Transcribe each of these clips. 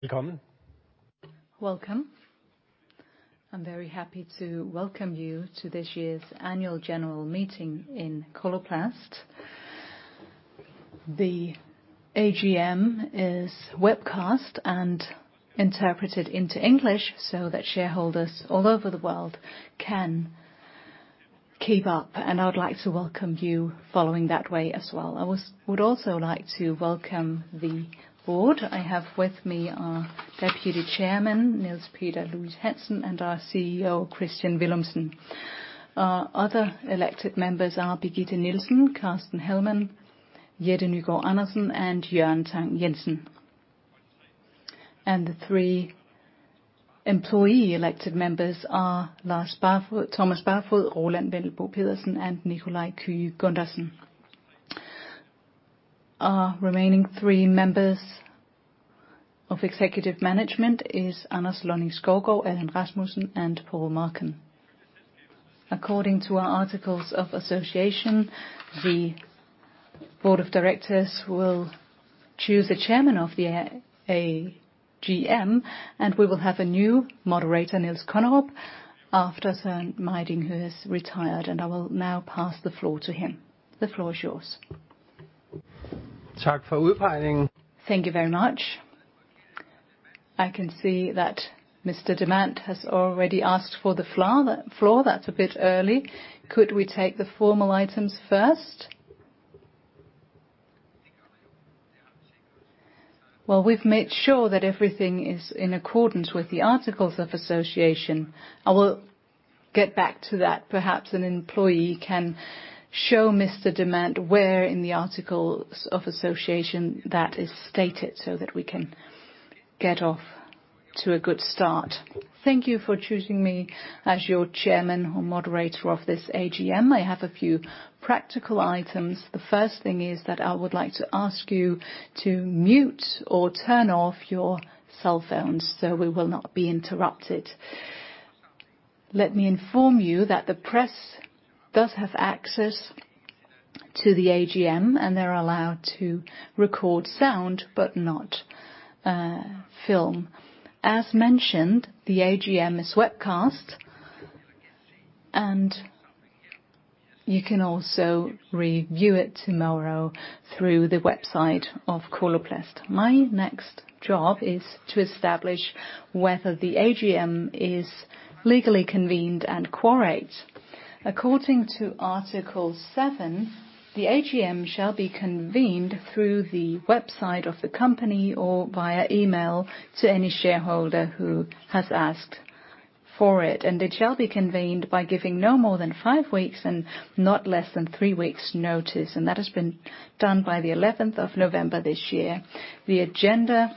Welcome. Welcome. I'm very happy to welcome you to this year's annual general meeting in Coloplast. The AGM is webcast and interpreted into English so that shareholders all over the world can keep up. I would like to welcome you following that way as well. I would also like to welcome the board. I have with me our Deputy Chairman, Niels Peter Louis-Hansen, and our CEO, Kristian Villumsen. Our other elected members are Birgitte Nielsen, Carsten Hellmann, Jette Nygaard-Andersen, and Jørgen Tang-Jensen. The three employee elected members are Thomas Barfod, Roland Vendelbo Pedersen, and Nikolaj Kyhe Gundersen. Our remaining three members of executive management is Anders Lonning-Skovgaard, Allan Rasmussen, and Paul Marcun. According to our articles of association, the board of directors will choose a chairman of the AGM, and we will have a new moderator, Niels Kornerup, after Søren Meisling, who has retired, and I will now pass the floor to him. The floor is yours. Thank you very much. I can see that Mr. Demant has already asked for the floor. That's a bit early. Could we take the formal items first? Well, we've made sure that everything is in accordance with the articles of association. I will get back to that. Perhaps an employee can show Mr. Demant where in the articles of association that is stated, so that we can get off to a good start. Thank you for choosing me as your chairman or moderator of this AGM. I have a few practical items. The first thing is that I would like to ask you to mute or turn off your cell phones, so we will not be interrupted. Let me inform you that the press does have access to the AGM, and they're allowed to record sound, but not film. As mentioned, the AGM is webcast, and you can also review it tomorrow through the website of Coloplast. My next job is to establish whether the AGM is legally convened and quorate. According to Article 7, the AGM shall be convened through the website of the company or via email to any shareholder who has asked for it, and it shall be convened by giving no more than five weeks and not less than three weeks notice, and that has been done by the 11th of November this year. The agenda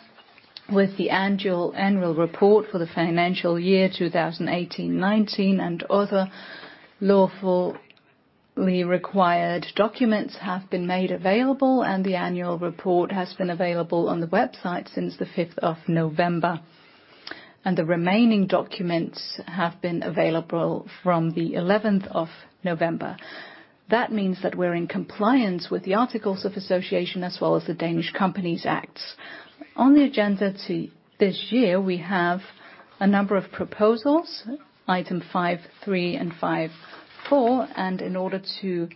with the annual report for the financial year 2018-2019, and other lawfully required documents have been made available, and the annual report has been available on the website since the 5th of November, and the remaining documents have been available from the 11th of November. That means that we're in compliance with the articles of association, as well as the Danish Companies Act. On the agenda to this year, we have a number of proposals: item 5.3 and 5.4, and in order to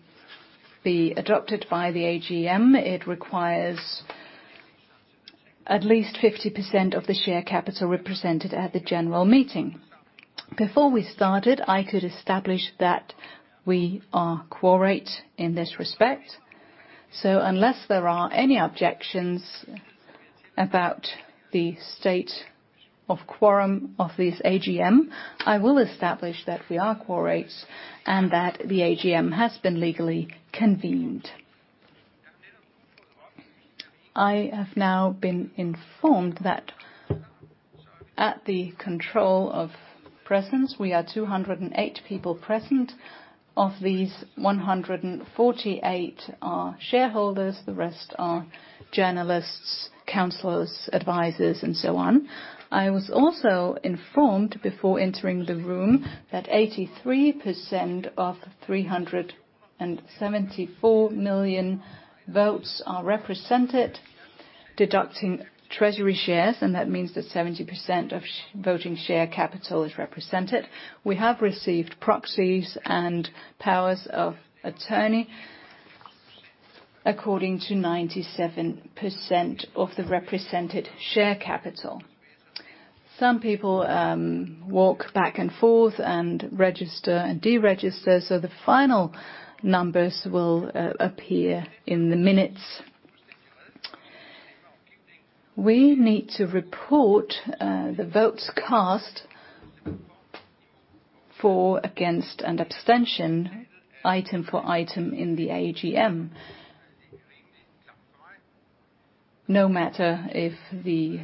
be adopted by the AGM, it requires at least 50% of the share capital represented at the general meeting. Before we started, I could establish that we are quorate in this respect. Unless there are any objections about the state of quorum of this AGM, I will establish that we are quorate and that the AGM has been legally convened. I have now been informed that at the control of presence, we are 208 people present. Of these, 148 are shareholders, the rest are journalists, counselors, advisors, and so on. I was also informed before entering the room that 83% of 374 million votes are represented, deducting treasury shares, and that means that 70% of voting share capital is represented. We have received proxies and powers of attorney according to 97% of the represented share capital. Some people walk back and forth and register and de-register, so the final numbers will appear in the minutes. We need to report the votes cast for, against, and abstention, item for item in the AGM. No matter if the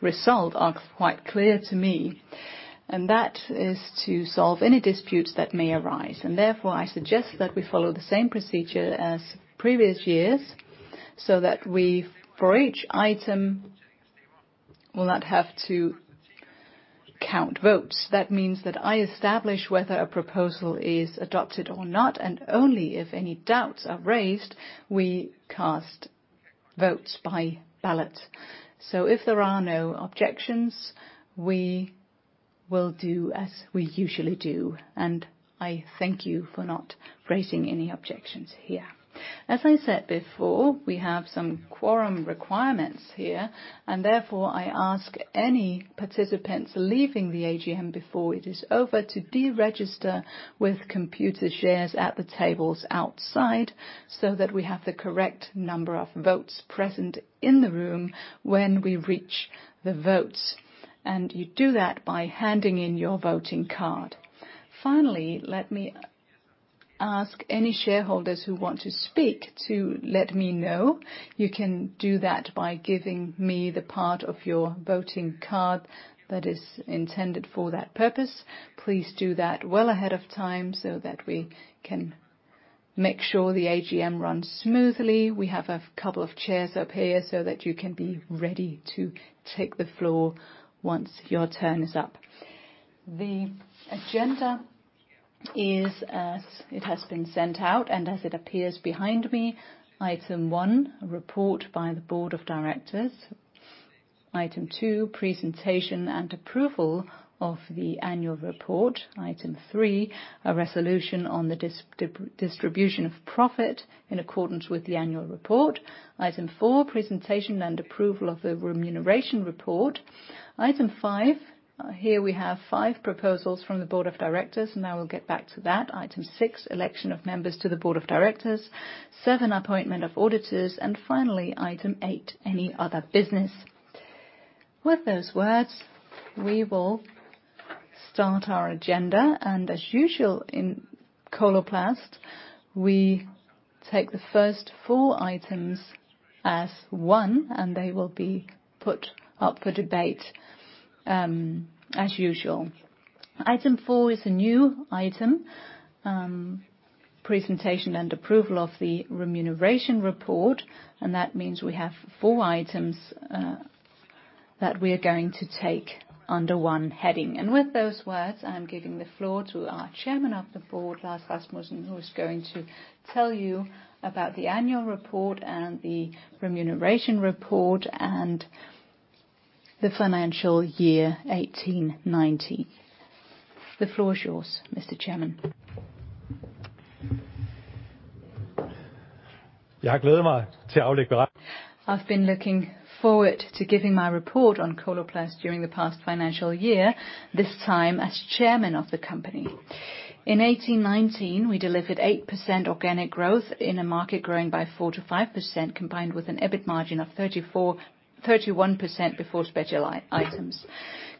result are quite clear to me, and that is to solve any disputes that may arise. Therefore, I suggest that we follow the same procedure as previous years, so that we, for each item, will not have to count votes. That means that I establish whether a proposal is adopted or not, and only if any doubts are raised, we cast votes by ballot. If there are no objections, we will do as we usually do, and I thank you for not raising any objections here. As I said before, we have some quorum requirements here, and therefore, I ask any participants leaving the AGM before it is over to deregister with Computershare at the tables outside, so that we have the correct number of votes present in the room when we reach the votes. You do that by handing in your voting card. Finally, let me ask any shareholders who want to speak to let me know. You can do that by giving me the part of your voting card that is intended for that purpose. Please do that well ahead of time, so that we can make sure the AGM runs smoothly. We have a couple of chairs up here so that you can be ready to take the floor once your turn is up. The agenda is as it has been sent out, and as it appears behind me. Item 1, a report by the Board of Directors. Item 2, presentation and approval of the annual report. Item 3, a resolution on the distribution of profit in accordance with the annual report. Item 4, presentation and approval of the remuneration report. Item 5, here we have five proposals from the Board of Directors, I will get back to that. Item 6, election of members to the Board of Directors. 7, appointment of auditors. Finally, Item 8, any other business. With those words, we will start our agenda. As usual, in Coloplast, we take the first four items as one, they will be put up for debate as usual. Item 4 is a new item, presentation and approval of the remuneration report. That means we have four items that we are going to take under one heading. With those words, I am giving the floor to our Chairman of the Board, Lars Rasmussen, who is going to tell you about the annual report and the remuneration report and the financial year 2018/2019. The floor is yours, Mr. Chairman. I've been looking forward to giving my report on Coloplast during the past financial year, this time as Chairman of the company. In 2018/2019, we delivered 8% organic growth in a market growing by 4%-5%, combined with an EBIT margin of 31% before special items.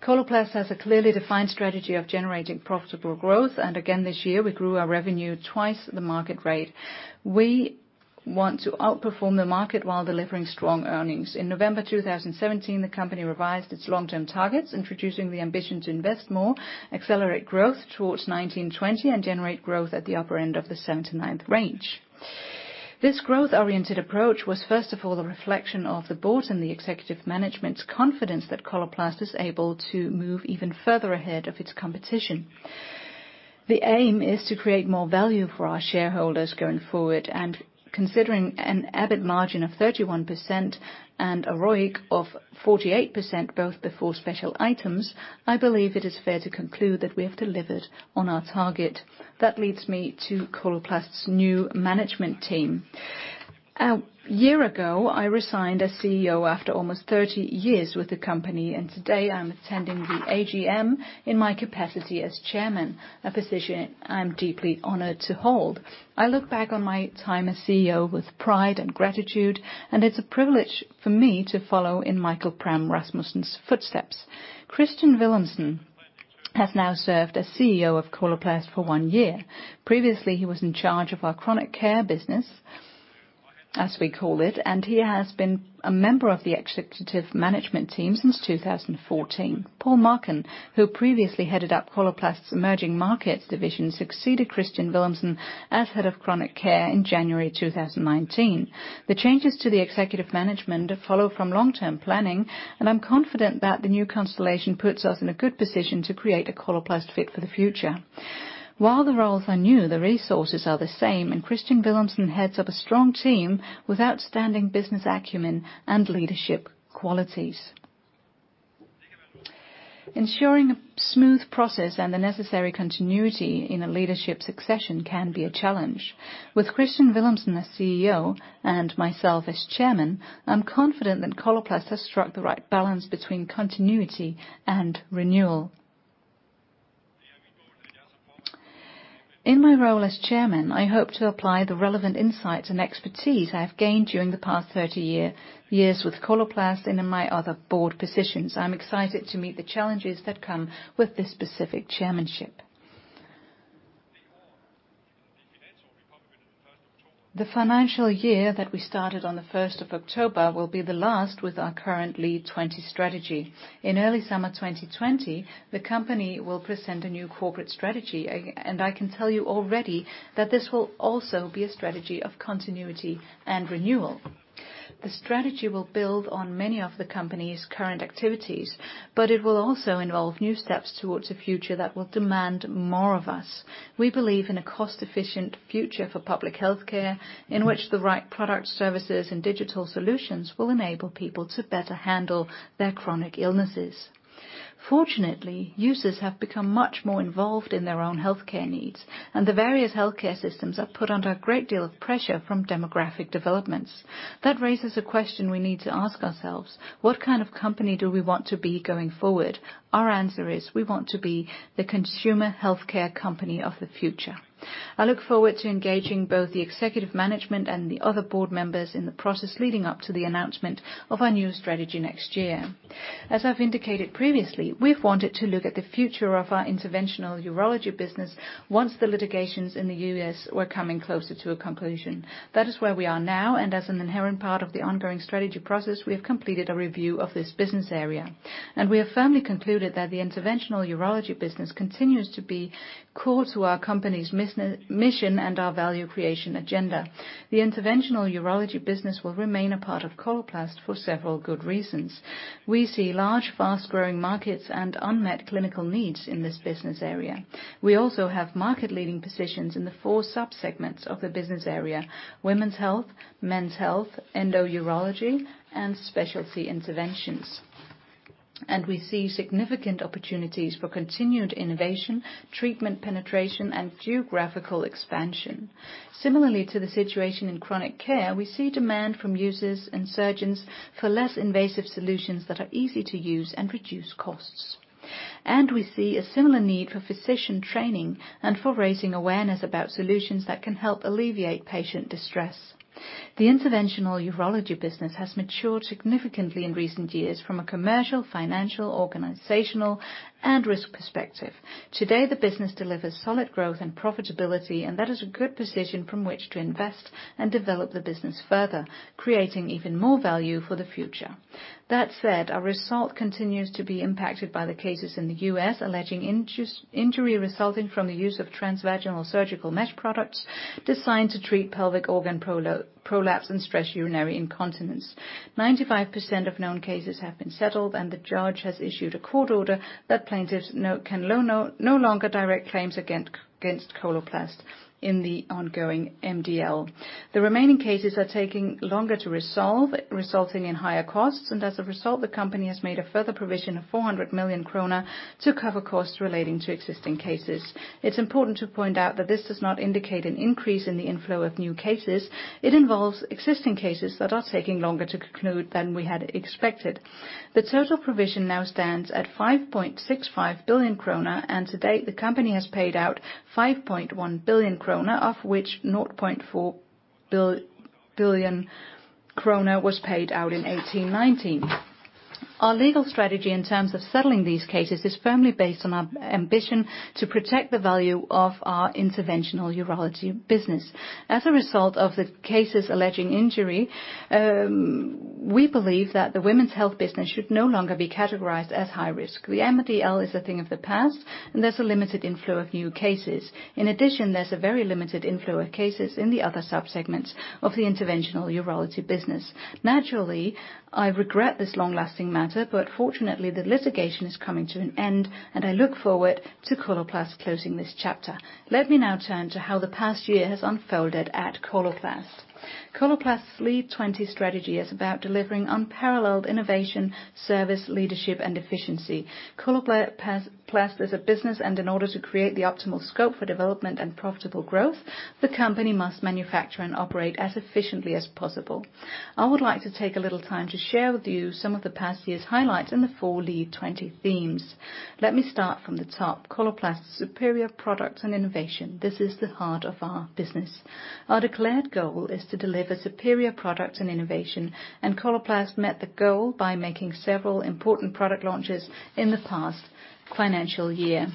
Coloplast has a clearly defined strategy of generating profitable growth. Again, this year, we grew our revenue twice the market rate. We want to outperform the market while delivering strong earnings. In November 2017, the company revised its long-term targets, introducing the ambition to invest more, accelerate growth towards 2020, and generate growth at the upper end of the 7th-9th range. This growth-oriented approach was, first of all, a reflection of the board and the executive management's confidence that Coloplast is able to move even further ahead of its competition. The aim is to create more value for our shareholders going forward, and considering an EBIT margin of 31% and a ROIC of 48%, both before special items, I believe it is fair to conclude that we have delivered on our target. That leads me to Coloplast's new management team. A year ago, I resigned as CEO after almost 30 years with the company, and today I'm attending the AGM in my capacity as chairman, a position I'm deeply honored to hold. I look back on my time as CEO with pride and gratitude, it's a privilege for me to follow in Michael Pram Rasmussen's footsteps. Kristian Villumsen has now served as CEO of Coloplast for one year. Previously, he was in charge of our Chronic Care business, as we call it, and he has been a member of the executive management team since 2014. Paul Marcun, who previously headed up Coloplast's Emerging Markets division, succeeded Kristian Villumsen as head of Chronic Care in January 2019. The changes to the executive management follow from long-term planning, I'm confident that the new constellation puts us in a good position to create a Coloplast fit for the future. While the roles are new, the resources are the same, and Kristian Villumsen heads up a strong team with outstanding business acumen and leadership qualities. Ensuring a smooth process and the necessary continuity in a leadership succession can be a challenge. With Kristian Villumsen as CEO and myself as Chairman, I'm confident that Coloplast has struck the right balance between continuity and renewal. In my role as Chairman, I hope to apply the relevant insights and expertise I have gained during the past 30 years with Coloplast and in my other board positions. I'm excited to meet the challenges that come with this specific chairmanship. The financial year that we started on the 1st of October will be the last with our current LEAD20 strategy. In early summer 2020, the company will present a new corporate strategy, and I can tell you already that this will also be a strategy of continuity and renewal. The strategy will build on many of the company's current activities, but it will also involve new steps towards a future that will demand more of us. We believe in a cost-efficient future for public health care, in which the right products, services, and digital solutions will enable people to better handle their chronic illnesses. Fortunately, users have become much more involved in their own health care needs, and the various health care systems are put under a great deal of pressure from demographic developments. That raises a question we need to ask ourselves: What kind of company do we want to be going forward? Our answer is, we want to be the consumer healthcare company of the future. I look forward to engaging both the executive management and the other board members in the process leading up to the announcement of our new strategy next year. As I've indicated previously, we've wanted to look at the future of our Interventional Urology business once the litigations in the U.S. were coming closer to a conclusion. That is where we are now, and as an inherent part of the ongoing strategy process, we have completed a review of this business area. We have firmly concluded that the Interventional Urology business continues to be core to our company's mission, and our value creation agenda. The Interventional Urology business will remain a part of Coloplast for several good reasons. We see large, fast-growing markets and unmet clinical needs in this business area. We also have market-leading positions in the four subsegments of the business area: women's health, men's health, endourology, and specialty interventions. We see significant opportunities for continued innovation, treatment penetration, and geographical expansion. Similarly to the situation in Chronic Care, we see demand from users and surgeons for less invasive solutions that are easy to use and reduce costs. We see a similar need for physician training and for raising awareness about solutions that can help alleviate patient distress. The Interventional Urology business has matured significantly in recent years from a commercial, financial, organizational, and risk perspective. Today, the business delivers solid growth and profitability, and that is a good position from which to invest and develop the business further, creating even more value for the future. That said, our result continues to be impacted by the cases in the U.S., alleging injury resulting from the use of transvaginal surgical mesh products designed to treat pelvic organ prolapse and stress urinary incontinence. 95% of known cases have been settled. The judge has issued a court order that plaintiffs no longer direct claims against Coloplast in the ongoing MDL. The remaining cases are taking longer to resolve, resulting in higher costs. As a result, the company has made a further provision of 400 million kroner to cover costs relating to existing cases. It's important to point out that this does not indicate an increase in the inflow of new cases. It involves existing cases that are taking longer to conclude than we had expected. The total provision now stands at 5.65 billion krone. To date, the company has paid out 5.1 billion krone, of which 0.4 billion krone was paid out in 2019. Our legal strategy in terms of settling these cases is firmly based on our ambition to protect the value of our Interventional Urology business. As a result of the cases alleging injury, we believe that the women's health business should no longer be categorized as high risk. The MDL is a thing of the past. There's a limited inflow of new cases. In addition, there's a very limited inflow of cases in the other subsegments of the Interventional Urology business. Naturally, I regret this long-lasting matter. Fortunately, the litigation is coming to an end. I look forward to Coloplast closing this chapter. Let me now turn to how the past year has unfolded at Coloplast. Coloplast LEAD20 strategy is about delivering unparalleled innovation, service, leadership, and efficiency. Coloplast is a business, and in order to create the optimal scope for development and profitable growth, the company must manufacture and operate as efficiently as possible. I would like to take a little time to share with you some of the past year's highlights in the four LEAD20 themes. Let me start from the top. Coloplast's superior products and innovation. This is the heart of our business. Our declared goal is to deliver superior products and innovation, and Coloplast met the goal by making several important product launches in the past financial year.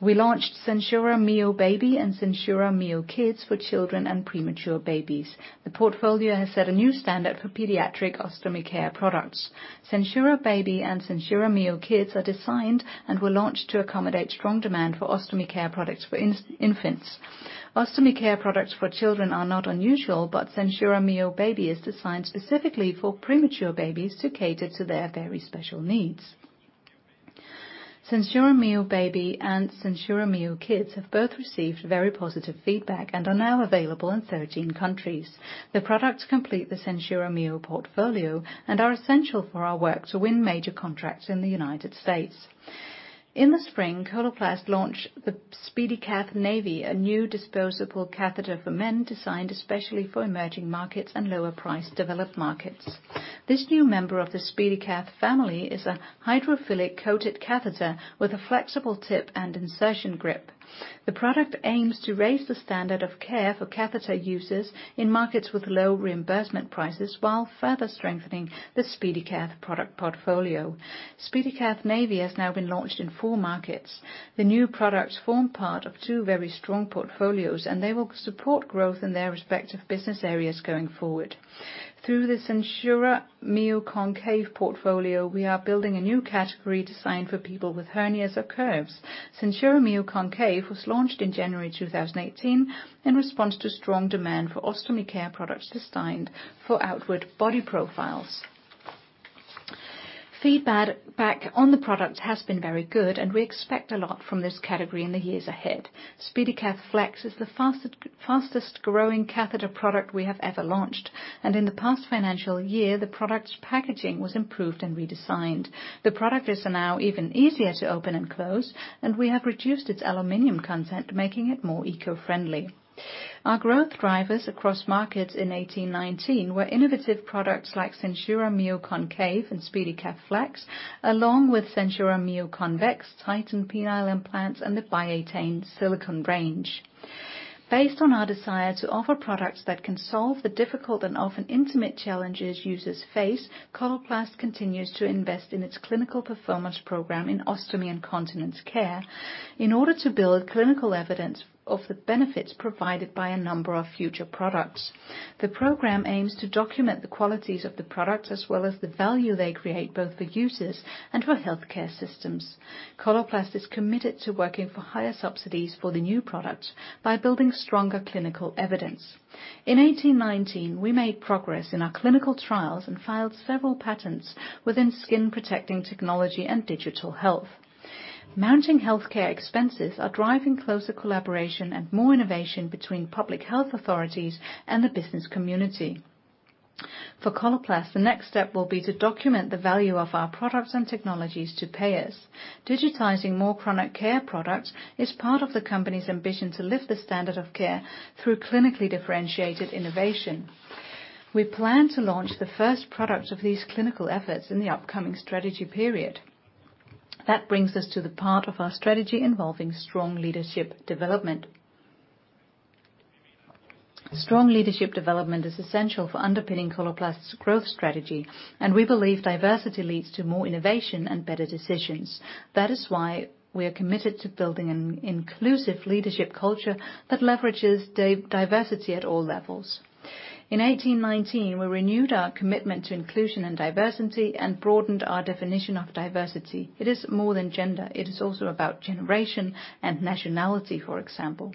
We launched SenSura Mio Baby and SenSura Mio Kids for children and premature babies. The portfolio has set a new standard for pediatric ostomy care products. SenSura Mio Baby and SenSura Mio Kids are designed and were launched to accommodate strong demand for Ostomy Care products for infants. Ostomy Care products for children are not unusual, but SenSura Mio Baby is designed specifically for premature babies to cater to their very special needs. SenSura Mio Baby and SenSura Mio Kids have both received very positive feedback and are now available in 13 countries. The products complete the SenSura Mio portfolio and are essential for our work to win major contracts in the United States. In the spring, Coloplast launched the SpeediCath Navi, a new disposable catheter for men, designed especially for Emerging Markets and lower-priced developed markets. This new member of the SpeediCath family is a hydrophilic coated catheter with a flexible tip and insertion grip. The product aims to raise the standard of care for catheter users in markets with low reimbursement prices, while further strengthening the SpeediCath product portfolio. SpeediCath Navi has now been launched in four markets. The new products form part of two very strong portfolios, and they will support growth in their respective business areas going forward. Through the SenSura Mio Concave portfolio, we are building a new category designed for people with hernias or curves. SenSura Mio Concave was launched in January 2018 in response to strong demand for Ostomy Care products designed for outward body profiles. Feedback back on the product has been very good, and we expect a lot from this category in the years ahead. SpeediCath Flex is the fastest growing catheter product we have ever launched, and in the past financial year, the product's packaging was improved and redesigned. The product is now even easier to open and close. We have reduced its aluminum content, making it more eco-friendly. Our growth drivers across markets in 2018-2019 were innovative products like SenSura Mio Concave and SpeediCath Flex, along with SenSura Mio Convex, Titan Penile Implants, and the Biatain Silicone range. Based on our desire to offer products that can solve the difficult and often intimate challenges users face, Coloplast continues to invest in its clinical performance program in Ostomy Care and Continence Care in order to build clinical evidence of the benefits provided by a number of future products. The program aims to document the qualities of the products as well as the value they create, both for users and for healthcare systems. Coloplast is committed to working for higher subsidies for the new products by building stronger clinical evidence. In 1819, we made progress in our clinical trials and filed several patents within skin-protecting technology and digital health. Mounting healthcare expenses are driving closer collaboration and more innovation between public health authorities and the business community. For Coloplast, the next step will be to document the value of our products and technologies to payers. Digitizing more Chronic Care products is part of the company's ambition to lift the standard of care through clinically differentiated innovation. We plan to launch the first products of these clinical efforts in the upcoming strategy period. That brings us to the part of our strategy involving strong leadership development. Strong leadership development is essential for underpinning Coloplast's growth strategy, and we believe diversity leads to more innovation and better decisions. That is why we are committed to building an inclusive leadership culture that leverages diversity at all levels. In 1819, we renewed our commitment to inclusion and diversity and broadened our definition of diversity. It is more than gender. It is also about generation and nationality, for example.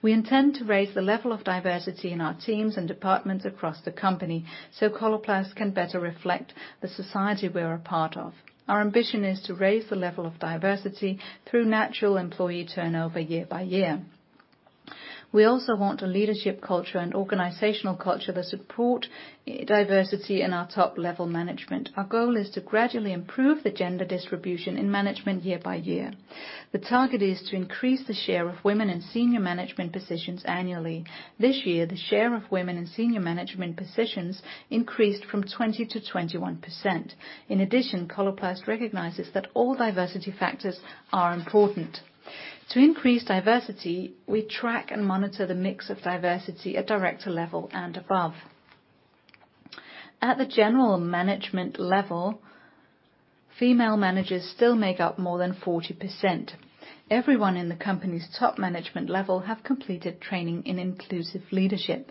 We intend to raise the level of diversity in our teams and departments across the company, so Coloplast can better reflect the society we are a part of. Our ambition is to raise the level of diversity through natural employee turnover year by year. We also want a leadership culture and organizational culture that support diversity in our top-level management. Our goal is to gradually improve the gender distribution in management year by year. The target is to increase the share of women in senior management positions annually. This year, the share of women in senior management positions increased from 20 to 21%. In addition, Coloplast recognizes that all diversity factors are important. To increase diversity, we track and monitor the mix of diversity at director level and above. At the general management level, female managers still make up more than 40%. Everyone in the company's top management level have completed training in inclusive leadership.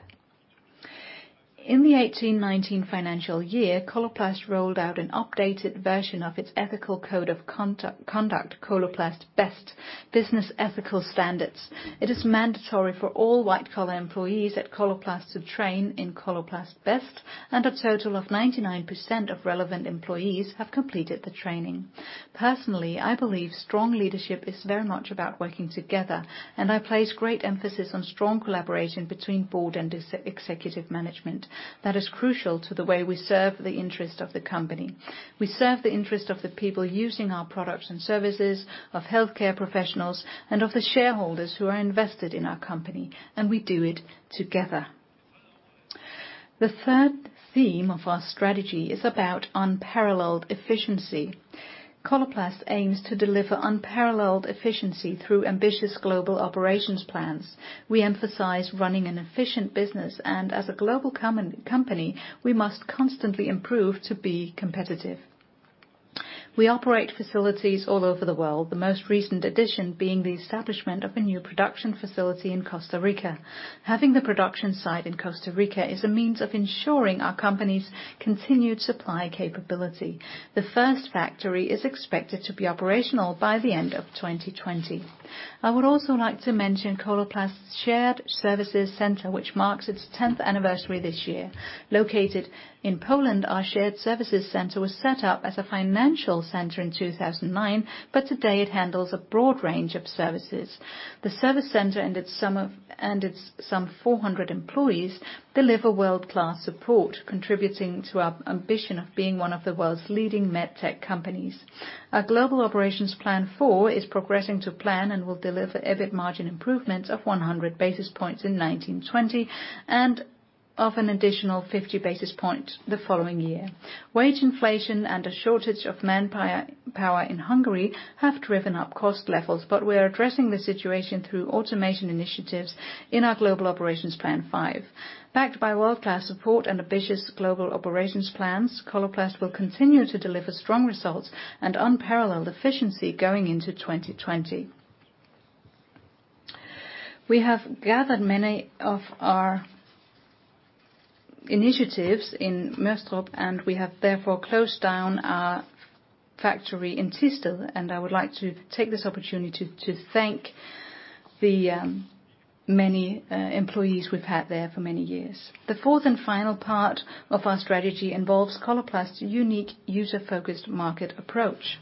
In the 2018-2019 financial year, Coloplast rolled out an updated version of its ethical code of conduct, Coloplast BEST, Business Ethical Standards. It is mandatory for all white-collar employees at Coloplast to train in Coloplast BEST, and a total of 99% of relevant employees have completed the training. Personally, I believe strong leadership is very much about working together, and I place great emphasis on strong collaboration between board and executive management. That is crucial to the way we serve the interest of the company. We serve the interest of the people using our products and services, of healthcare professionals, and of the shareholders who are invested in our company. We do it together. The third theme of our strategy is about unparalleled efficiency. Coloplast aims to deliver unparalleled efficiency through ambitious global operations plans. We emphasize running an efficient business. As a global company, we must constantly improve to be competitive. We operate facilities all over the world, the most recent addition being the establishment of a new production facility in Costa Rica. Having the production site in Costa Rica is a means of ensuring our company's continued supply capability. The first factory is expected to be operational by the end of 2020. I would also like to mention Coloplast's Shared Services Center, which marks its 10th anniversary this year. Located in Poland, our Shared Services Center was set up as a financial center in 2009, but today it handles a broad range of services. The service center and its some 400 employees deliver world-class support, contributing to our ambition of being one of the world's leading med tech companies. Our Global Operations Plan 4 is progressing to plan and will deliver EBIT margin improvements of 100 basis points in 2019-2020 and of an additional 50 basis points the following year. Wage inflation and a shortage of manpower in Hungary have driven up cost levels, but we are addressing the situation through automation initiatives in our Global Operations Plan 5. Backed by world-class support and ambitious global operations plans, Coloplast will continue to deliver strong results and unparalleled efficiency going into 2020. We have gathered many of our initiatives in Mørdrup, and we have therefore closed down our factory in Thisted, and I would like to take this opportunity to thank the many employees we've had there for many years. The fourth and final part of our strategy involves Coloplast's unique user-focused market approach.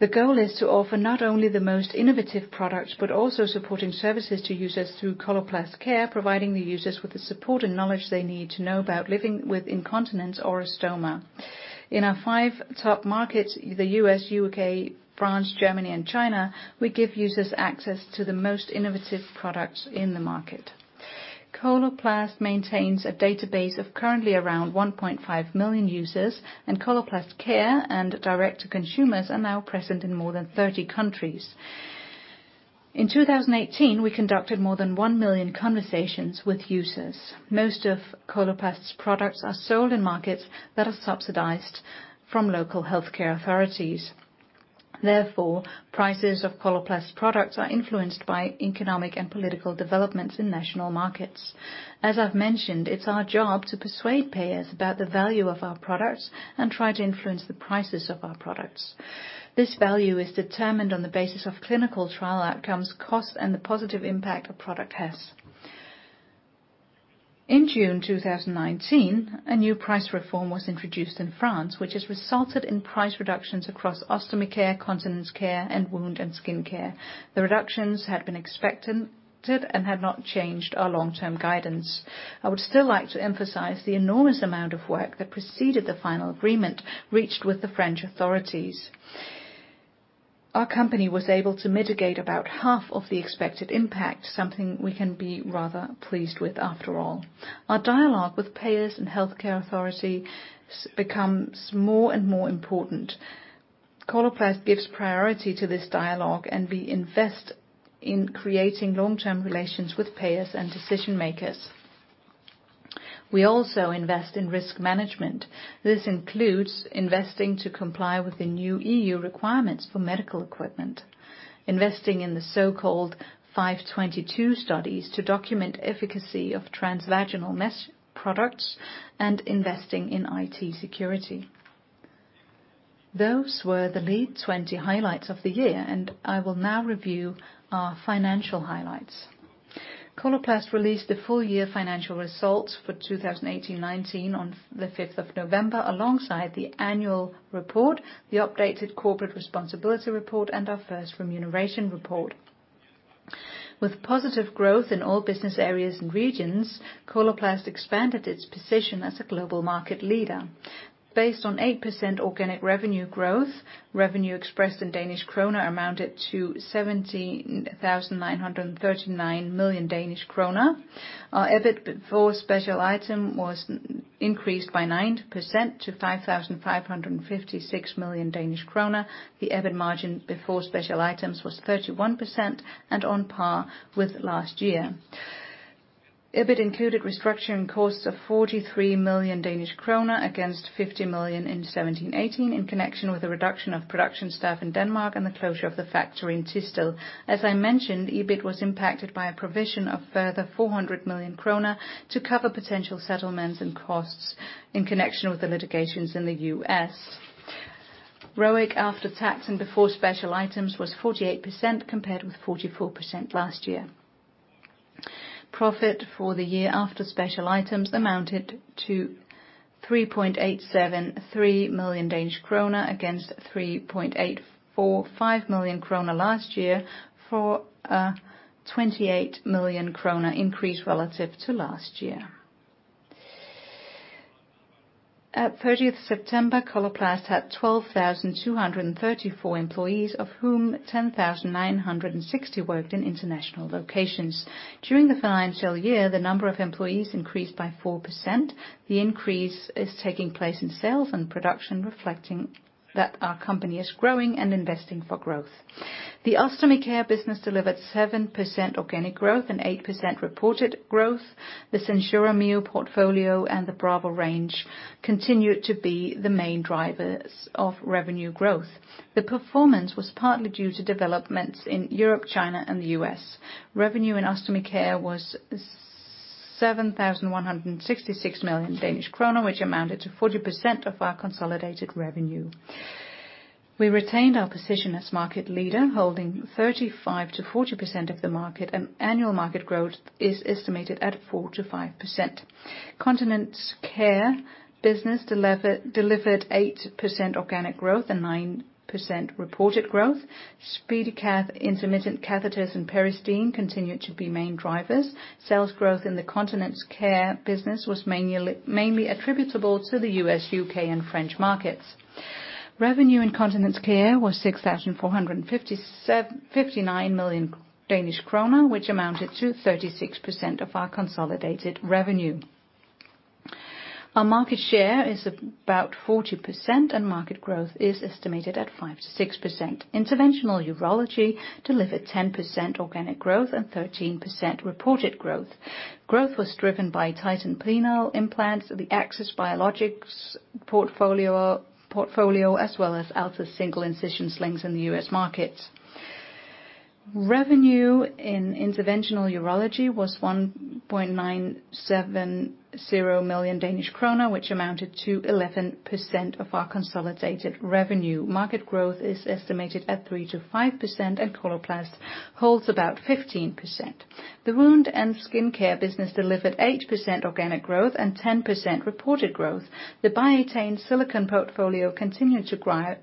The goal is to offer not only the most innovative products, but also supporting services to users through Coloplast Care, providing the users with the support and knowledge they need to know about living with incontinence or a stoma. In our five top markets, the U.S., U.K., France, Germany, and China, we give users access to the most innovative products in the market. Coloplast maintains a database of currently around 1.5 million users. Coloplast Care and direct-to-consumer are now present in more than 30 countries. In 2018, we conducted more than 1 million conversations with users. Most of Coloplast's products are sold in markets that are subsidized from local healthcare authorities. Prices of Coloplast products are influenced by economic and political developments in national markets. As I've mentioned, it's our job to persuade payers about the value of our products and try to influence the prices of our products. This value is determined on the basis of clinical trial outcomes, costs, and the positive impact a product has. In June 2019, a new price reform was introduced in France, which has resulted in price reductions across Ostomy Care, Continence Care, and Wound and Skin Care. The reductions had been expected and had not changed our long-term guidance. I would still like to emphasize the enormous amount of work that preceded the final agreement reached with the French authorities. Our company was able to mitigate about half of the expected impact, something we can be rather pleased with after all. Our dialogue with payers and healthcare authority becomes more and more important. Coloplast gives priority to this dialogue. We invest in creating long-term relations with payers and decision-makers. We also invest in risk management. This includes investing to comply with the new EU requirements for medical equipment, investing in the so-called 522 studies to document efficacy of transvaginal mesh products, and investing in IT security. Those were the LEAD20 highlights of the year. I will now review our financial highlights. Coloplast released the full year financial results for 2018-2019 on the 5th of November, alongside the annual report, the updated corporate responsibility report, and our first remuneration report. With positive growth in all business areas and regions, Coloplast expanded its position as a global market leader. Based on 8% organic revenue growth, revenue expressed in Danish kroner amounted to 70,939 million Danish krone. Our EBIT before special item was increased by 9% to 5,556 million Danish kroner. The EBIT margin before special items was 31% and on par with last year. EBIT included restructuring costs of 43 million Danish krone, against 50 million in 2017-2018, in connection with the reduction of production staff in Denmark and the closure of the factory in Thisted. As I mentioned, EBIT was impacted by a provision of further 400 million kroner to cover potential settlements and costs in connection with the litigations in the U.S. ROIC after tax and before special items was 48%, compared with 44% last year. Profit for the year after special items amounted to 3.873 million Danish krone, against 3.845 million krone last year, for a 28 million krone increase relative to last year. At 30th September, Coloplast had 12,234 employees, of whom 10,960 worked in international locations. During the financial year, the number of employees increased by 4%. The increase is taking place in sales and production, reflecting that our company is growing and investing for growth. The Ostomy Care business delivered 7% organic growth and 8% reported growth. The SenSura Mio portfolio and the Brava range continued to be the main drivers of revenue growth. The performance was partly due to developments in Europe, China, and the US. Revenue in Ostomy Care was 7,166 million Danish krone, which amounted to 40% of our consolidated revenue. We retained our position as market leader, holding 35%-40% of the market, and annual market growth is estimated at 4%-5%. Continence Care business delivered 8% organic growth and 9% reported growth. SpeediCath intermittent catheters and Peristeen continued to be main drivers. Sales growth in the Continence Care business was mainly attributable to the US, UK, and French markets. Revenue in Continence Care was 6,459 million Danish kroner, which amounted to 36% of our consolidated revenue. Our market share is about 40%, and market growth is estimated at 5%-6%. Interventional Urology delivered 10% organic growth and 13% reported growth. Growth was driven by Titan Penile Implants, the Axis Biologics portfolio, as well as Altis Single-Incision Slings in the U.S. market. Revenue in Interventional Urology was 1,970 million Danish krone, which amounted to 11% of our consolidated revenue. Market growth is estimated at 3%-5%, and Coloplast holds about 15%. The Wound and Skin Care business delivered 8% organic growth and 10% reported growth. The Biatain Silicone portfolio continued to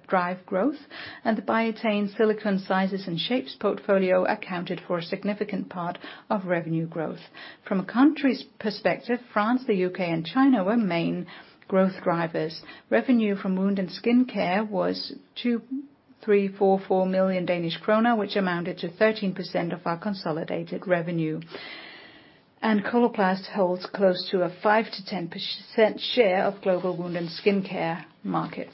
drive growth, and the Biatain Silicone sizes and shapes portfolio accounted for a significant part of revenue growth. From a country's perspective, France, the U.K., and China were main growth drivers. Revenue from Wound and Skin Care was 2,344 million Danish krone, which amounted to 13% of our consolidated revenue. Coloplast holds close to a 5%-10% share of global Wound and Skin Care market.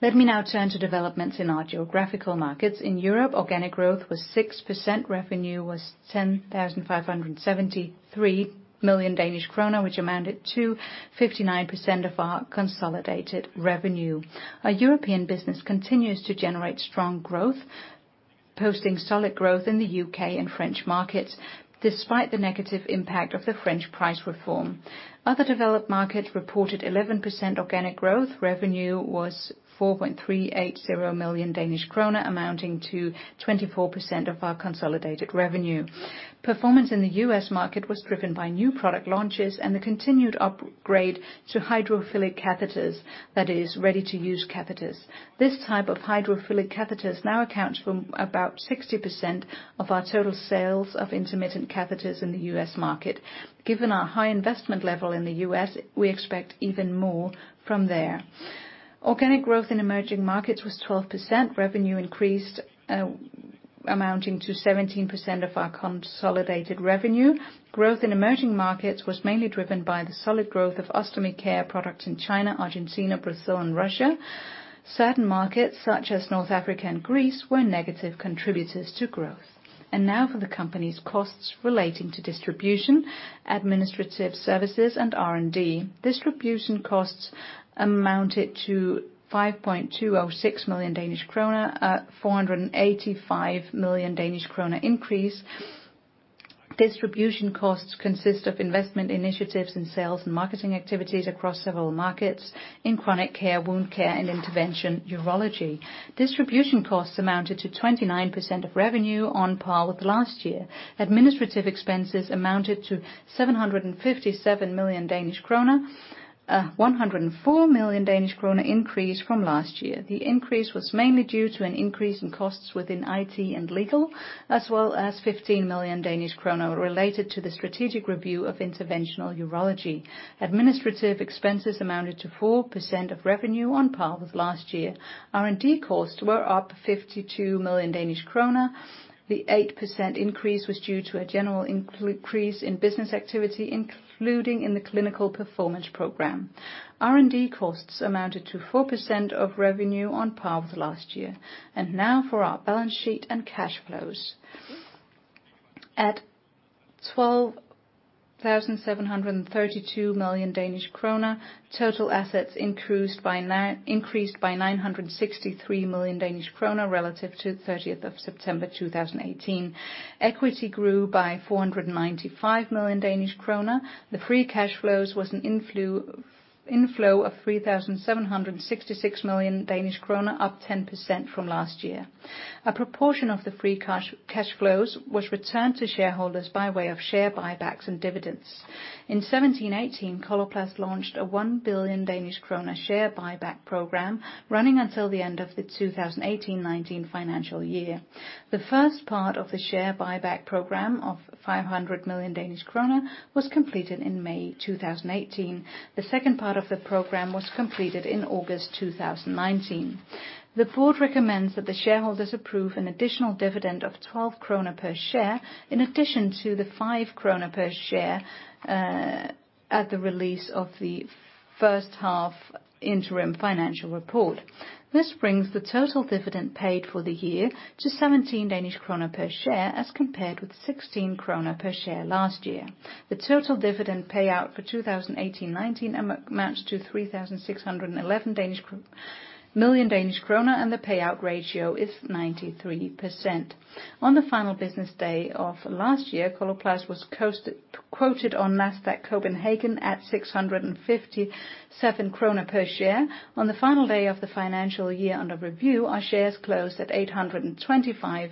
Let me now turn to developments in our geographical markets. In Europe, organic growth was 6%. Revenue was 10,573 million Danish kroner, which amounted to 59% of our consolidated revenue. Our European business continues to generate strong growth, posting solid growth in the U.K. and French markets, despite the negative impact of the French price reform. Other developed markets reported 11% organic growth. Revenue was 4.380 million Danish krone, amounting to 24% of our consolidated revenue. Performance in the U.S. market was driven by new product launches and the continued upgrade to hydrophilic catheters, that is ready-to-use catheters. This type of hydrophilic catheters now accounts for about 60% of our total sales of intermittent catheters in the U.S. market. Given our high investment level in the U.S., we expect even more from there. Organic growth in Emerging Markets was 12%. Revenue increased, amounting to 17% of our consolidated revenue. Growth in Emerging Markets was mainly driven by the solid growth of Ostomy Care products in China, Argentina, Brazil, and Russia. Certain markets, such as North Africa and Greece, were negative contributors to growth. Now for the company's costs relating to distribution, administrative services, and R&D. Distribution costs amounted to 5.206 million Danish krone, a 485 million Danish krone increase. Distribution costs consist of investment initiatives in sales and marketing activities across several markets in Chronic Care, Wound Care, and Interventional Urology. Distribution costs amounted to 29% of revenue on par with last year. Administrative expenses amounted to 757 million Danish krone, a 104 million Danish krone increase from last year. The increase was mainly due to an increase in costs within IT and legal, as well as 15 million Danish kroner related to the strategic review of Interventional Urology. Administrative expenses amounted to 4% of revenue on par with last year. R&D costs were up 52 million Danish krone. The 8% increase was due to a general increase in business activity, including in the clinical performance program. R&D costs amounted to 4% of revenue on par with last year. Now for our balance sheet and cash flows. At 12,732 million Danish krone, total assets increased by 963 million Danish krone relative to 30th of September 2018. Equity grew by 495 million Danish krone. The free cash flows was an inflow of 3,766 million Danish krone, up 10% from last year. A proportion of the free cash flows was returned to shareholders by way of share buybacks and dividends. In 2017/2018, Coloplast launched a 1 billion Danish krone share buyback program running until the end of the 2018-2019 financial year. The first part of the share buyback program of 500 million Danish krone was completed in May 2018. The second part of the program was completed in August 2019. The board recommends that the shareholders approve an additional dividend of 12 kroner per share, in addition to the 5 kroner per share, at the release of the first half interim financial report. This brings the total dividend paid for the year to 17 Danish krone per share, as compared with 16 krone per share last year. The total dividend payout for 2018-2019 amounts to 3,611 million Danish krone, and the payout ratio is 93%. On the final business day of last year, Coloplast was quoted on Nasdaq Copenhagen at 657 kroner per share. On the final day of the financial year under review, our shares closed at 825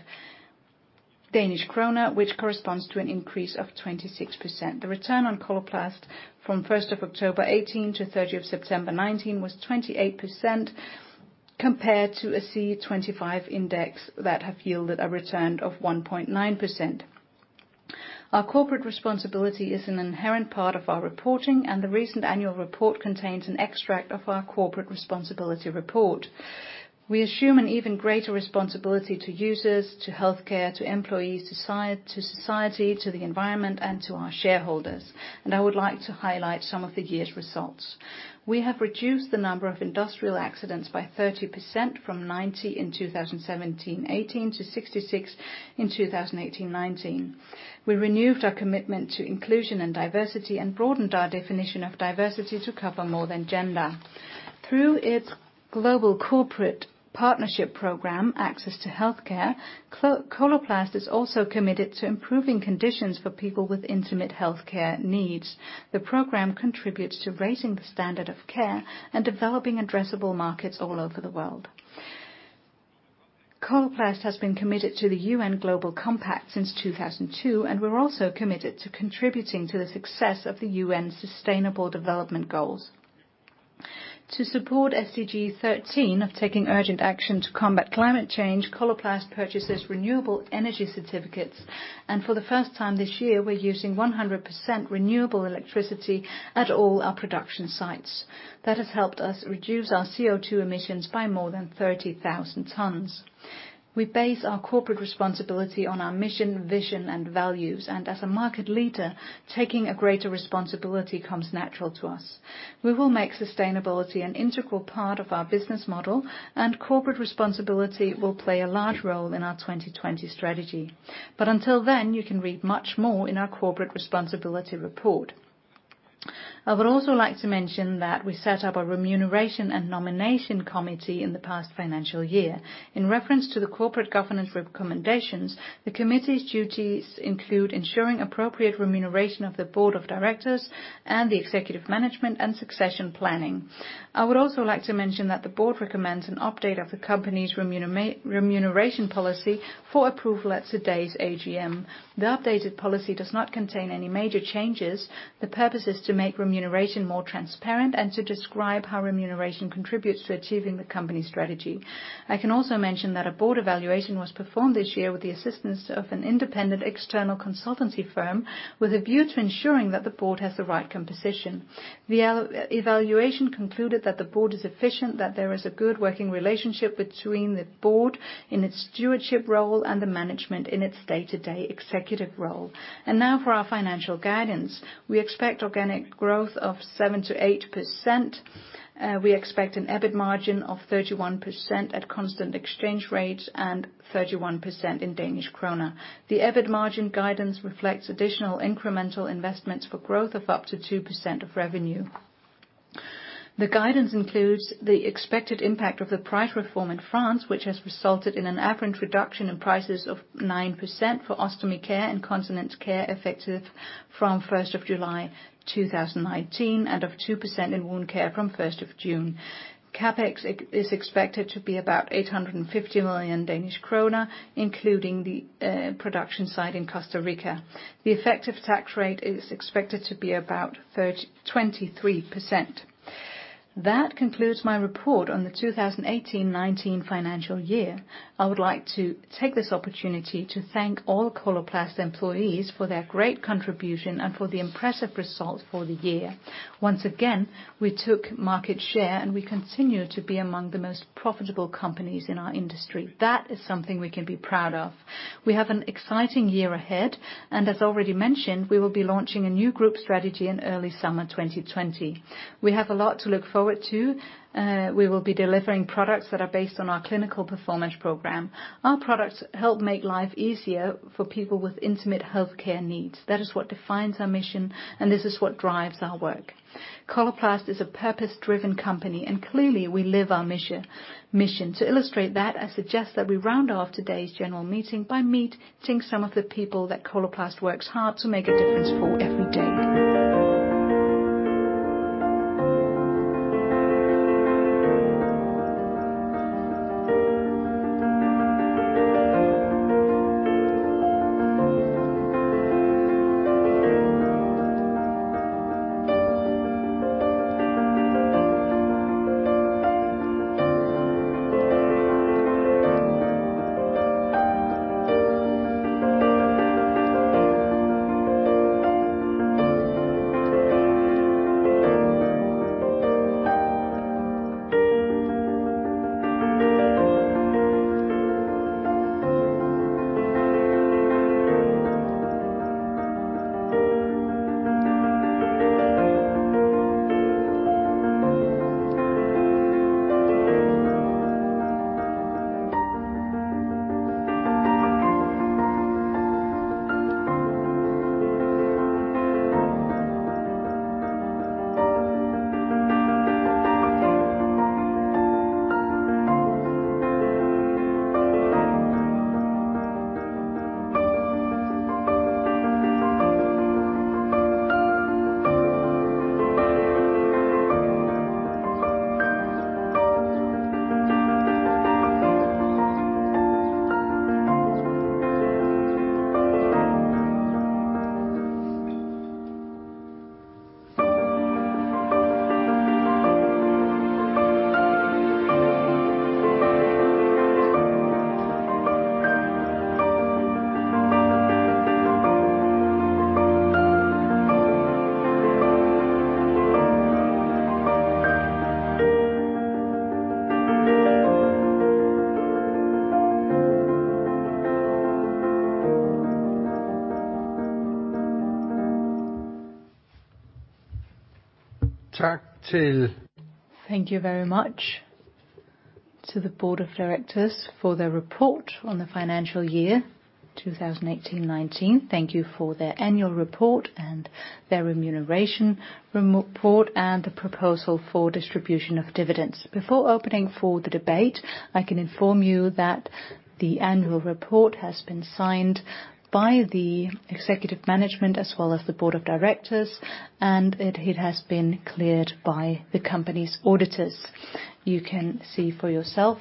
Danish kroner, which corresponds to an increase of 26%. The return on Coloplast from 1st of October 2018 to 30th of September 2019 was 28% compared to a C25 Index that have yielded a return of 1.9%. Our corporate responsibility is an inherent part of our reporting, and the recent annual report contains an extract of our corporate responsibility report. We assume an even greater responsibility to users, to healthcare, to employees, to society, to the environment, and to our shareholders. I would like to highlight some of the year's results. We have reduced the number of industrial accidents by 30% from 90 in 2017-2018 to 66 in 2018-2019. We renewed our commitment to inclusion and diversity and broadened our definition of diversity to cover more than gender. Through its global corporate partnership program, Access to Healthcare, Coloplast is also committed to improving conditions for people with intimate healthcare needs. The program contributes to raising the standard of care and developing addressable markets all over the world. Coloplast has been committed to the UN Global Compact since 2002, and we're also committed to contributing to the success of the UN's Sustainable Development Goals. To support SDG 13 of taking urgent action to combat climate change, Coloplast purchases renewable energy certificates, and for the first time this year, we're using 100% renewable electricity at all our production sites. That has helped us reduce our CO2 emissions by more than 30,000 tons. We base our corporate responsibility on our mission, vision, and values, and as a market leader, taking a greater responsibility comes natural to us. We will make sustainability an integral part of our business model, and corporate responsibility will play a large role in our 2020 strategy. Until then, you can read much more in our Corporate Responsibility report. I would also like to mention that we set up a remuneration and nomination committee in the past financial year. In reference to the corporate governance recommendations, the committee's duties include ensuring appropriate remuneration of the board of directors and the executive management and succession planning. I would also like to mention that the board recommends an update of the company's remuneration policy for approval at today's AGM. The updated policy does not contain any major changes. The purpose is to make remuneration more transparent and to describe how remuneration contributes to achieving the company strategy. I can also mention that a board evaluation was performed this year with the assistance of an independent external consultancy firm, with a view to ensuring that the board has the right composition. The evaluation concluded that the board is efficient, that there is a good working relationship between the board in its stewardship role and the management in its day-to-day executive role. Now for our financial guidance. We expect organic growth of 7%-8%. We expect an EBIT margin of 31% at constant exchange rates and 31% in DKK. The EBIT margin guidance reflects additional incremental investments for growth of up to 2% of revenue. The guidance includes the expected impact of the price reform in France, which has resulted in an average reduction in prices of 9% for Ostomy Care and Continence Care, effective from 1st of July 2019, and of 2% in Wound Care from 1st of June. CapEx is expected to be about 850 million Danish kroner, including the production site in Costa Rica. The effective tax rate is expected to be about 23%. That concludes my report on the 2018-2019 financial year. I would like to take this opportunity to thank all Coloplast employees for their great contribution and for the impressive results for the year. Once again, we took market share, and we continue to be among the most profitable companies in our industry. That is something we can be proud of. We have an exciting year ahead. As already mentioned, we will be launching a new group strategy in early summer 2020. We have a lot to look forward to. We will be delivering products that are based on our clinical performance program. Our products help make life easier for people with intimate healthcare needs. That is what defines our mission. This is what drives our work. Coloplast is a purpose-driven company. Clearly, we live our mission. To illustrate that, I suggest that we round off today's general meeting by meeting some of the people that Coloplast works hard to make a difference for every day. Thank you very much.... to the board of directors for their report on the financial year, 2018-2019. Thank you for their annual report and their remuneration report. The proposal for distribution of dividends. Before opening for the debate, I can inform you that the annual report has been signed by the executive management as well as the board of directors, and it has been cleared by the company's auditors. You can see for yourself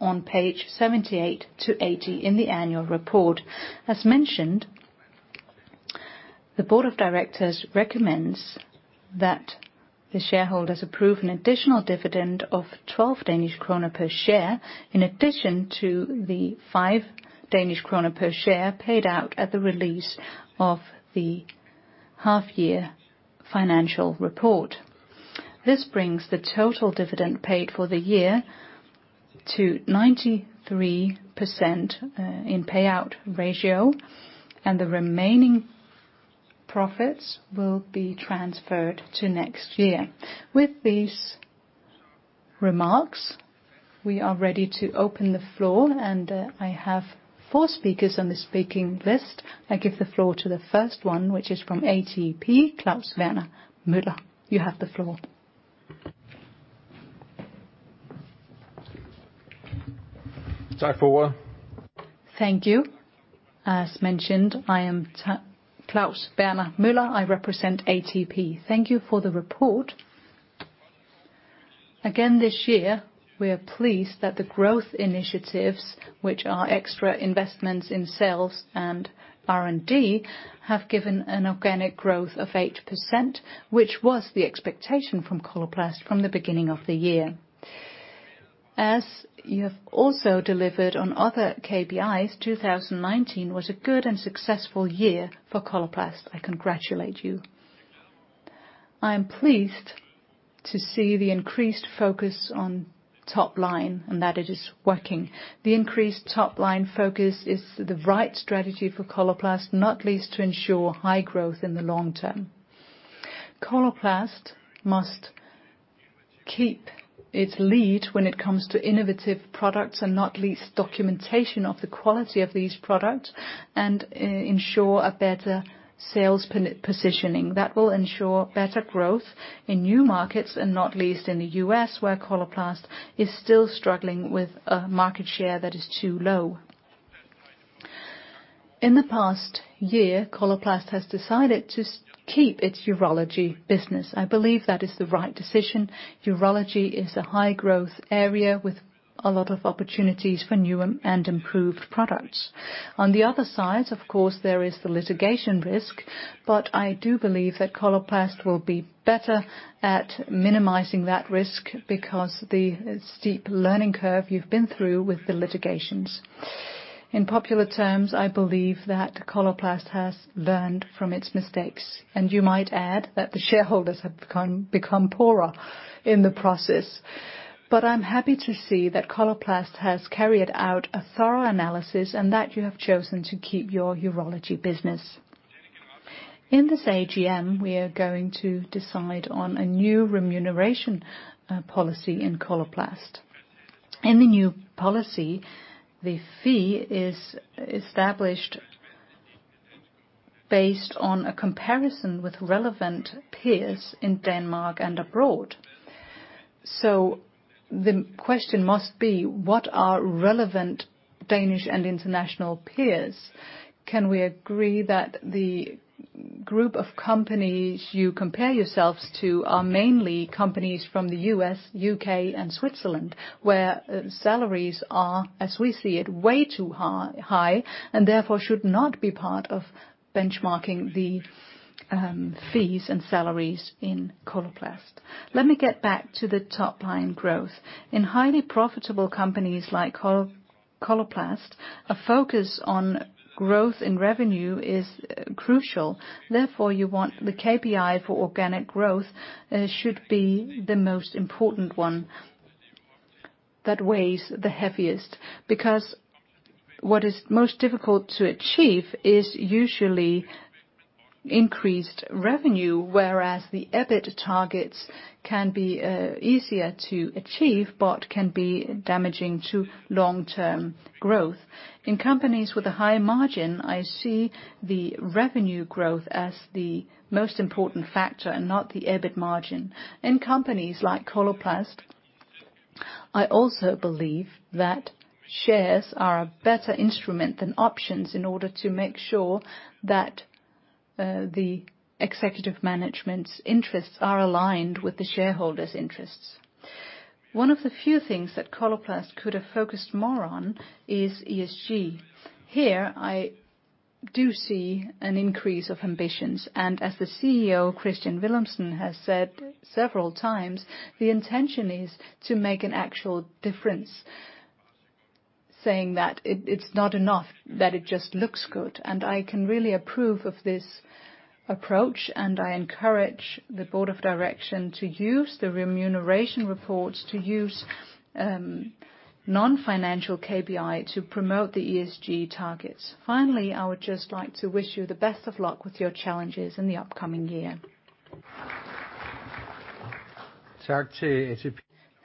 on page 78-80 in the annual report. As mentioned, the board of directors recommends that the shareholders approve an additional dividend of 12 Danish kroner per share, in addition to the 5 Danish kroner per share paid out at the release of the half-year financial report. This brings the total dividend paid for the year to 93% in payout ratio. The remaining profits will be transferred to next year. With these remarks, we are ready to open the floor. I have four speakers on the speaking list. I give the floor to the first one, which is from ATP, Claus Berner Møller. You have the floor. Thank you. As mentioned, I am Claus Berner Møller, I represent ATP. Thank you for the report. Again, this year, we are pleased that the growth initiatives, which are extra investments in sales and R&D, have given an organic growth of 8%, which was the expectation from Coloplast from the beginning of the year. As you have also delivered on other KPIs, 2019 was a good and successful year for Coloplast. I congratulate you. I am pleased to see the increased focus on top line and that it is working. The increased top line focus is the right strategy for Coloplast, not least to ensure high growth in the long term. Coloplast must keep its lead when it comes to innovative products, and not least, documentation of the quality of these products, and ensure a better sales positioning. That will ensure better growth in new markets, and not least in the US, where Coloplast is still struggling with a market share that is too low. In the past year, Coloplast has decided to keep its urology business. I believe that is the right decision. Urology is a high-growth area with a lot of opportunities for new and improved products. On the other side, of course, there is the litigation risk, but I do believe that Coloplast will be better at minimizing that risk because the steep learning curve you've been through with the litigations. In popular terms, I believe that Coloplast has learned from its mistakes, and you might add that the shareholders have become poorer in the process. I'm happy to see that Coloplast has carried out a thorough analysis, and that you have chosen to keep your urology business. In this AGM, we are going to decide on a new remuneration policy in Coloplast. In the new policy, the fee is established based on a comparison with relevant peers in Denmark and abroad. The question must be: What are relevant Danish and international peers? Can we agree that the group of companies you compare yourselves to are mainly companies from the U.S., U.K., and Switzerland, where salaries are, as we see it, way too high, and therefore should not be part of benchmarking the fees and salaries in Coloplast. Let me get back to the top-line growth. In highly profitable companies like Coloplast, a focus on growth in revenue is crucial. You want the KPI for organic growth should be the most important one that weighs the heaviest, because what is most difficult to achieve is usually increased revenue, whereas the EBIT targets can be easier to achieve but can be damaging to long-term growth. In companies with a high margin, I see the revenue growth as the most important factor and not the EBIT margin. In companies like Coloplast, I also believe that shares are a better instrument than options in order to make sure that the executive management's interests are aligned with the shareholders' interests. One of the few things that Coloplast could have focused more on is ESG. Here, I do see an increase of ambitions, and as the CEO, Kristian Villumsen, has said several times, the intention is to make an actual difference, saying that it's not enough, that it just looks good. I can really approve of this approach, and I encourage the Board of Directors to use the remuneration reports to use non-financial KPI to promote the ESG targets. Finally, I would just like to wish you the best of luck with your challenges in the upcoming year....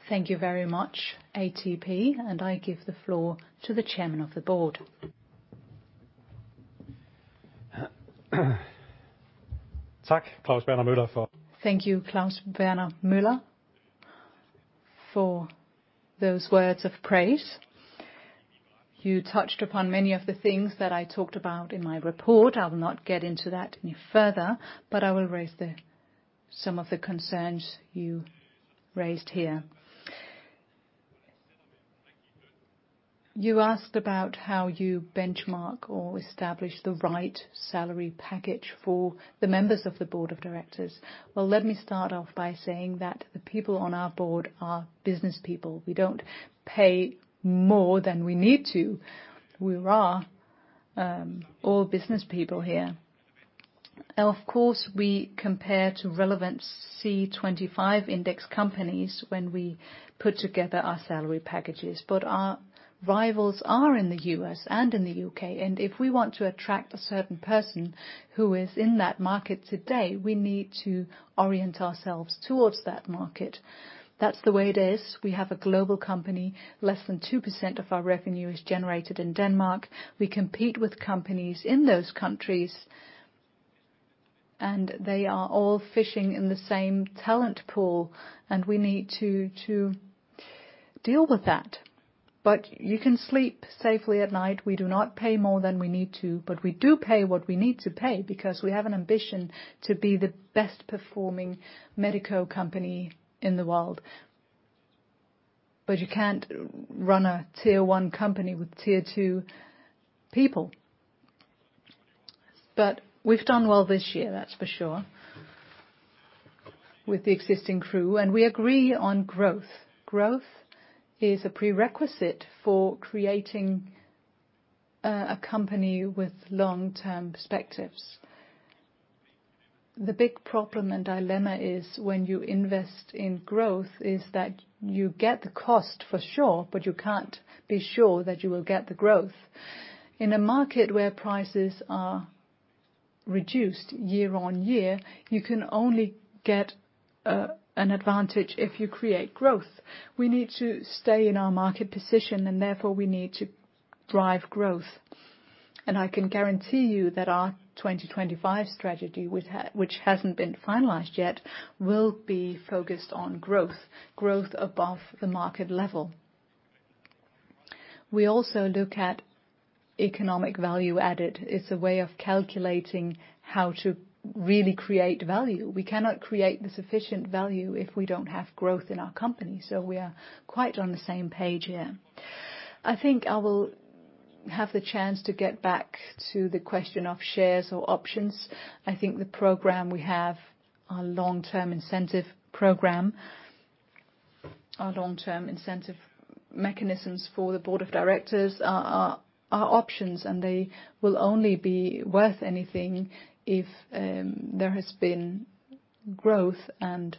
Thank you very much, ATP, and I give the floor to the chairman of the board. Thank you, Claus Berner Møller, for those words of praise. You touched upon many of the things that I talked about in my report. I'll not get into that any further. I will raise some of the concerns you raised here. You asked about how you benchmark or establish the right salary package for the members of the board of directors. Well, let me start off by saying that the people on our board are businesspeople. We don't pay more than we need to. We are all businesspeople here. Of course, we compare to relevant C25 Index companies when we put together our salary packages, but our rivals are in the U.S. and in the U.K., and if we want to attract a certain person who is in that market today, we need to orient ourselves towards that market. That's the way it is. We have a global company. Less than 2% of our revenue is generated in Denmark. We compete with companies in those countries, and they are all fishing in the same talent pool, and we need to deal with that. You can sleep safely at night. We do not pay more than we need to, but we do pay what we need to pay because we have an ambition to be the best performing medical company in the world. You can't run a tier one company with tier two people. We've done well this year, that's for sure, with the existing crew, and we agree on growth. Growth is a prerequisite for creating a company with long-term perspectives. The big problem and dilemma is when you invest in growth, is that you get the cost for sure, but you can't be sure that you will get the growth. In a market where prices are reduced year-over-year, you can only get an advantage if you create growth. We need to stay in our market position, therefore, we need to drive growth. I can guarantee you that our 2025 strategy, which hasn't been finalized yet, will be focused on growth above the market level. We also look at Economic Value Added. It's a way of calculating how to really create value. We cannot create the sufficient value if we don't have growth in our company, we are quite on the same page here. I think I will have the chance to get back to the question of shares or options. I think the program we have, our long-term incentive program, our long-term incentive mechanisms for the board of directors are options, and they will only be worth anything if there has been growth and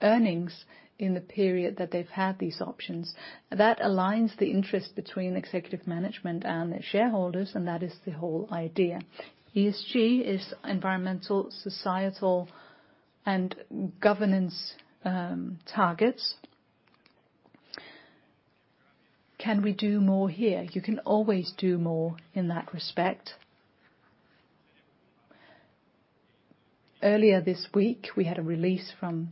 earnings in the period that they've had these options. That aligns the interest between executive management and the shareholders, and that is the whole idea. ESG is environmental, societal, and governance targets. Can we do more here? You can always do more in that respect. Earlier this week, we had a release from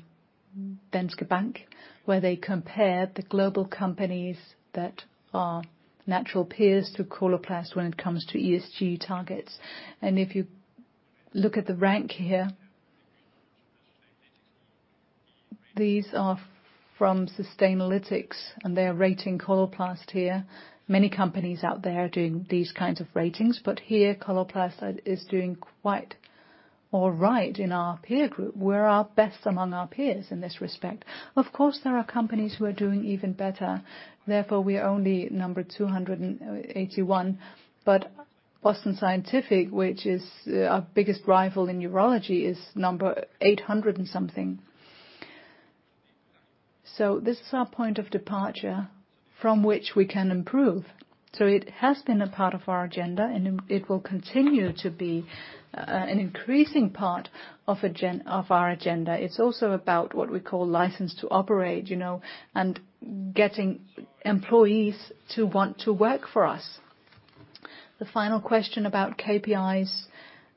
Danske Bank, where they compared the global companies that are natural peers to Coloplast when it comes to ESG targets. If you look at the rank here, these are from Sustainalytics, and they are rating Coloplast here. Many companies out there are doing these kinds of ratings, here, Coloplast is doing quite all right in our peer group. We're our best among our peers in this respect. Of course, there are companies who are doing even better, therefore, we are only number 281. Boston Scientific, which is our biggest rival in urology, is number 800 and something. This is our point of departure from which we can improve. It has been a part of our agenda, and it will continue to be an increasing part of our agenda. It's also about what we call license to operate, you know, and getting employees to want to work for us. The final question about KPIs,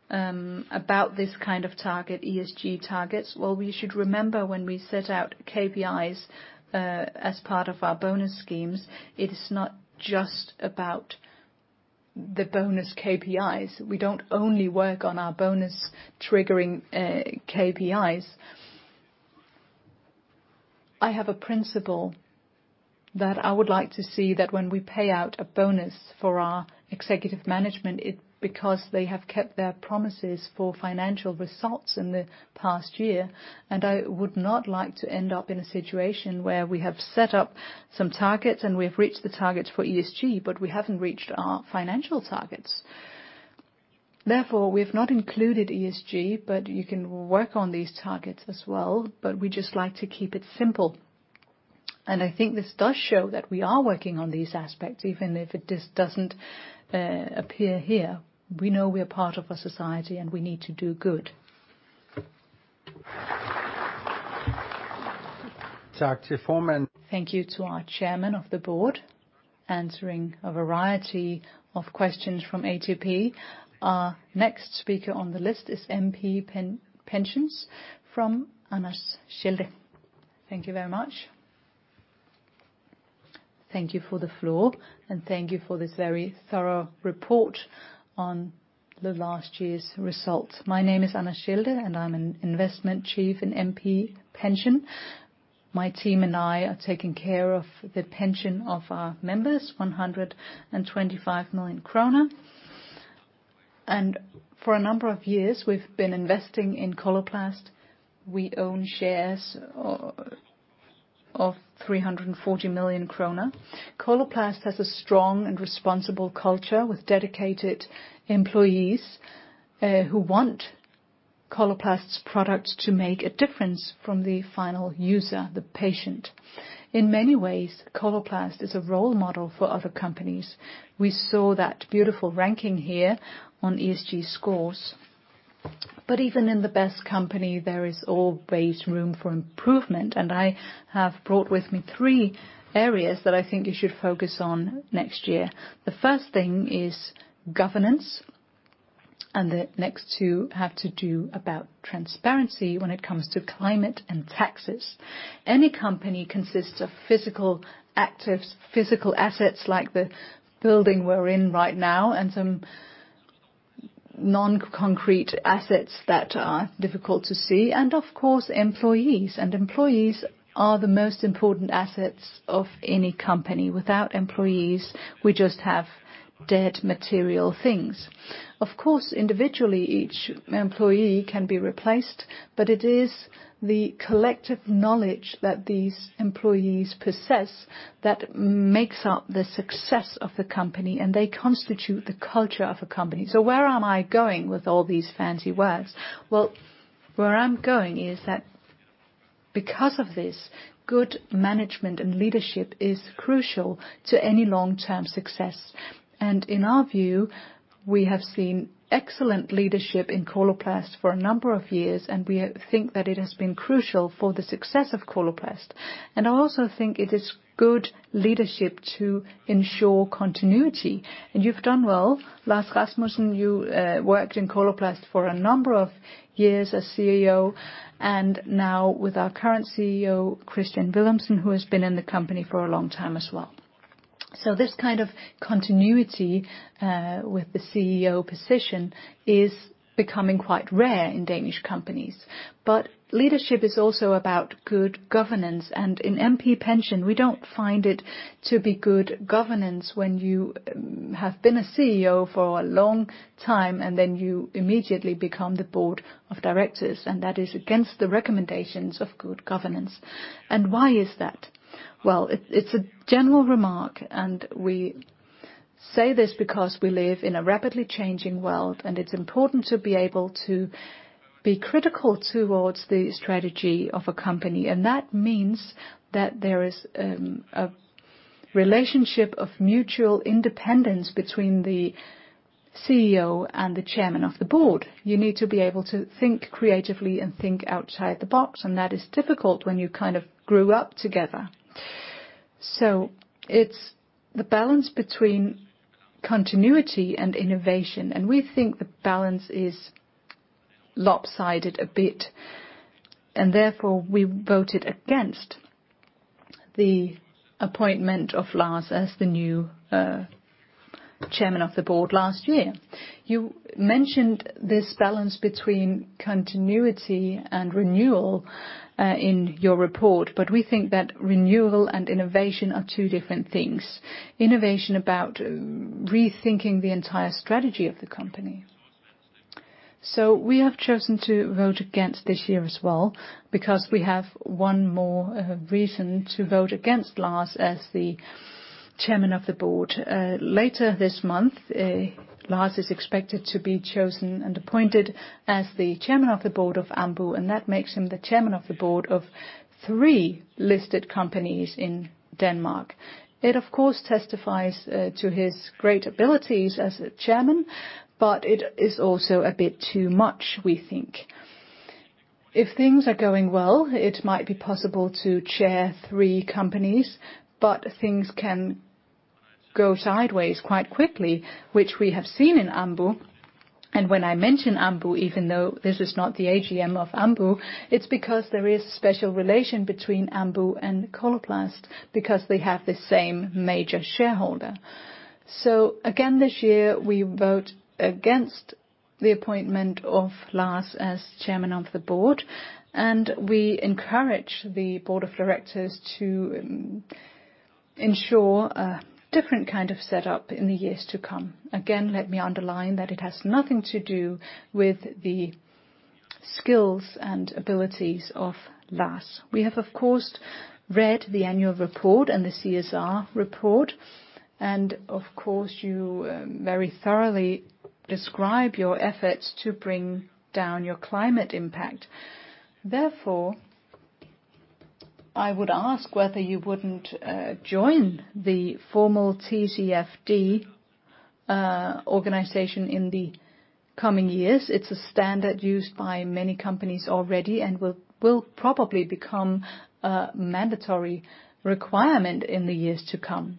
about this kind of target, ESG targets. Well, we should remember when we set out KPIs as part of our bonus schemes, it is not just about the bonus KPIs. We don't only work on our bonus-triggering KPIs. I have a principle that I would like to see that when we pay out a bonus for our executive management, it's because they have kept their promises for financial results in the past year. I would not like to end up in a situation where we have set up some targets, and we have reached the targets for ESG, but we haven't reached our financial targets. Therefore, we have not included ESG. You can work on these targets as well. We just like to keep it simple. I think this does show that we are working on these aspects, even if it just doesn't appear here. We know we are part of a society, we need to do good. Thank you to our chairman of the board, answering a variety of questions from ATP. Our next speaker on the list is MP Pension from Anna Schelde. Thank you very much. Thank you for the floor, thank you for this very thorough report on the last year's results. My name is Anna Schelde, I'm an Investment Chief in MP Pension. My team and I are taking care of the pension of our members, 125 million kroner. For a number of years, we've been investing in Coloplast. We own shares of 340 million kroner. Coloplast has a strong and responsible culture with dedicated employees, who want Coloplast's products to make a difference from the final user, the patient. In many ways, Coloplast is a role model for other companies. We saw that beautiful ranking here on ESG scores. Even in the best company, there is always room for improvement, and I have brought with me three areas that I think you should focus on next year. The first thing is governance, and the next two have to do about transparency when it comes to climate and taxes. Any company consists of physical assets, like the building we're in right now, and some non-concrete assets that are difficult to see, and of course, employees. Employees are the most important assets of any company. Without employees, we just have dead material things. Of course, individually, each employee can be replaced, but it is the collective knowledge that these employees possess that makes up the success of the company, and they constitute the culture of a company. Where am I going with all these fancy words? Well, where I'm going is that because of this, good management and leadership is crucial to any long-term success, and in our view, we have seen excellent leadership in Coloplast for a number of years, and we have think that it has been crucial for the success of Coloplast. I also think it is good leadership to ensure continuity. You've done well, Lars Rasmussen, you worked in Coloplast for a number of years as CEO, and now with our current CEO, Kristian Villumsen, who has been in the company for a long time as well. This kind of continuity with the CEO position is becoming quite rare in Danish companies. Leadership is also about good governance, and in MP Pension, we don't find it to be good governance when you have been a CEO for a long time, and then you immediately become the board of directors, and that is against the recommendations of good governance. Why is that? It's a general remark, and we say this because we live in a rapidly changing world, and it's important to be able to be critical towards the strategy of a company. That means that there is a relationship of mutual independence between the CEO and the chairman of the board. You need to be able to think creatively and think outside the box, and that is difficult when you kind of grew up together. It's the balance between continuity and innovation, and we think the balance is lopsided a bit, and therefore, we voted against the appointment of Lars as the new chairman of the board last year. You mentioned this balance between continuity and renewal in your report. We think that renewal and innovation are two different things. Innovation about rethinking the entire strategy of the company. We have chosen to vote against this year as well, because we have one more reason to vote against Lars as the chairman of the board. Later this month, Lars is expected to be chosen and appointed as the chairman of the board of Ambu, and that makes him the chairman of the board of 3 listed companies in Denmark. It, of course, testifies to his great abilities as a chairman, but it is also a bit too much, we think. If things are going well, it might be possible to chair three companies, but things can go sideways quite quickly, which we have seen in Ambu. When I mention Ambu, even though this is not the AGM of Ambu, it's because there is a special relation between Ambu and Coloplast, because they have the same major shareholder. Again, this year, we vote against the appointment of Lars as chairman of the board, and we encourage the board of directors to ensure a different kind of setup in the years to come. Again, let me underline that it has nothing to do with the skills and abilities of Lars. We have, of course, read the annual report and the CSR report. Of course, you very thoroughly describe your efforts to bring down your climate impact. Therefore, I would ask whether you wouldn't join the formal TCFD organization in the coming years. It's a standard used by many companies already, and will probably become a mandatory requirement in the years to come.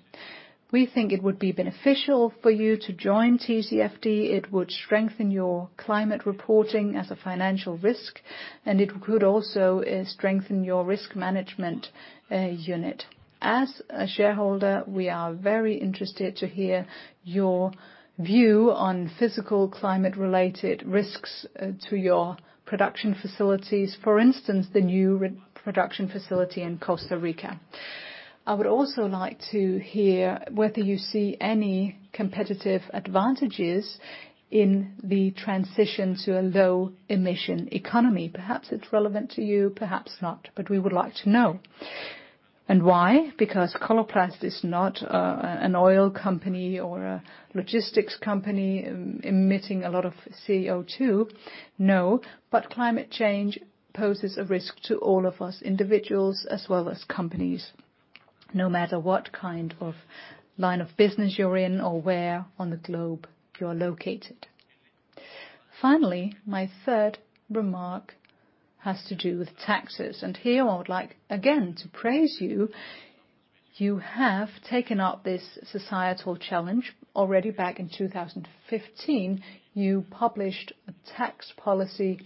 We think it would be beneficial for you to join TCFD. It would strengthen your climate reporting as a financial risk, and it could also strengthen your risk management unit. As a shareholder, we are very interested to hear your view on physical climate-related risks to your production facilities, for instance, the new production facility in Costa Rica. I would also like to hear whether you see any competitive advantages in the transition to a low-emission economy. Perhaps it's relevant to you, perhaps not, but we would like to know. Why? Because Coloplast is not an oil company or a logistics company emitting a lot of CO2. Climate change poses a risk to all of us, individuals as well as companies, no matter what kind of line of business you're in or where on the globe you are located. Finally, my third remark has to do with taxes, and here I would like, again, to praise you. You have taken up this societal challenge. Already back in 2015, you published a tax policy,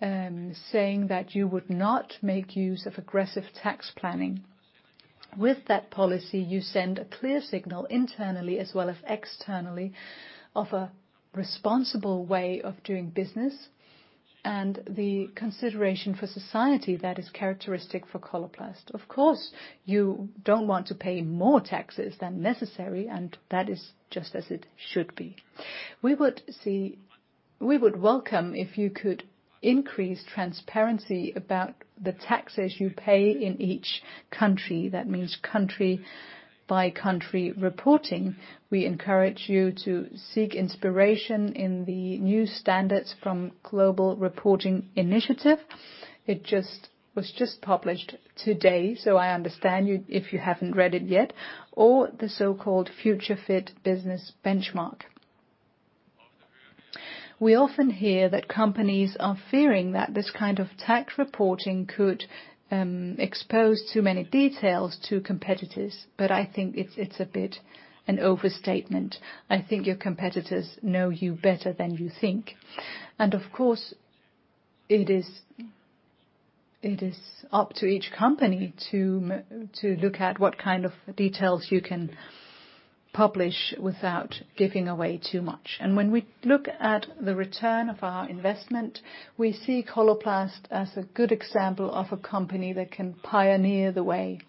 saying that you would not make use of aggressive tax planning. With that policy, you send a clear signal internally as well as externally, of a responsible way of doing business and the consideration for society that is characteristic for Coloplast. Of course, you don't want to pay more taxes than necessary, and that is just as it should be. We would welcome if you could increase transparency about the taxes you pay in each country. That means country-by-country reporting. We encourage you to seek inspiration in the new standards from Global Reporting Initiative. It was just published today, so I understand you, if you haven't read it yet, or the so-called Future-Fit Business Benchmark. We often hear that companies are fearing that this kind of tax reporting could expose too many details to competitors, but I think it's a bit an overstatement. I think your competitors know you better than you think. Of course, it is up to each company to look at what kind of details you can publish without giving away too much. When we look at the return of our investment, we see Coloplast as a good example of a company that can pioneer the way.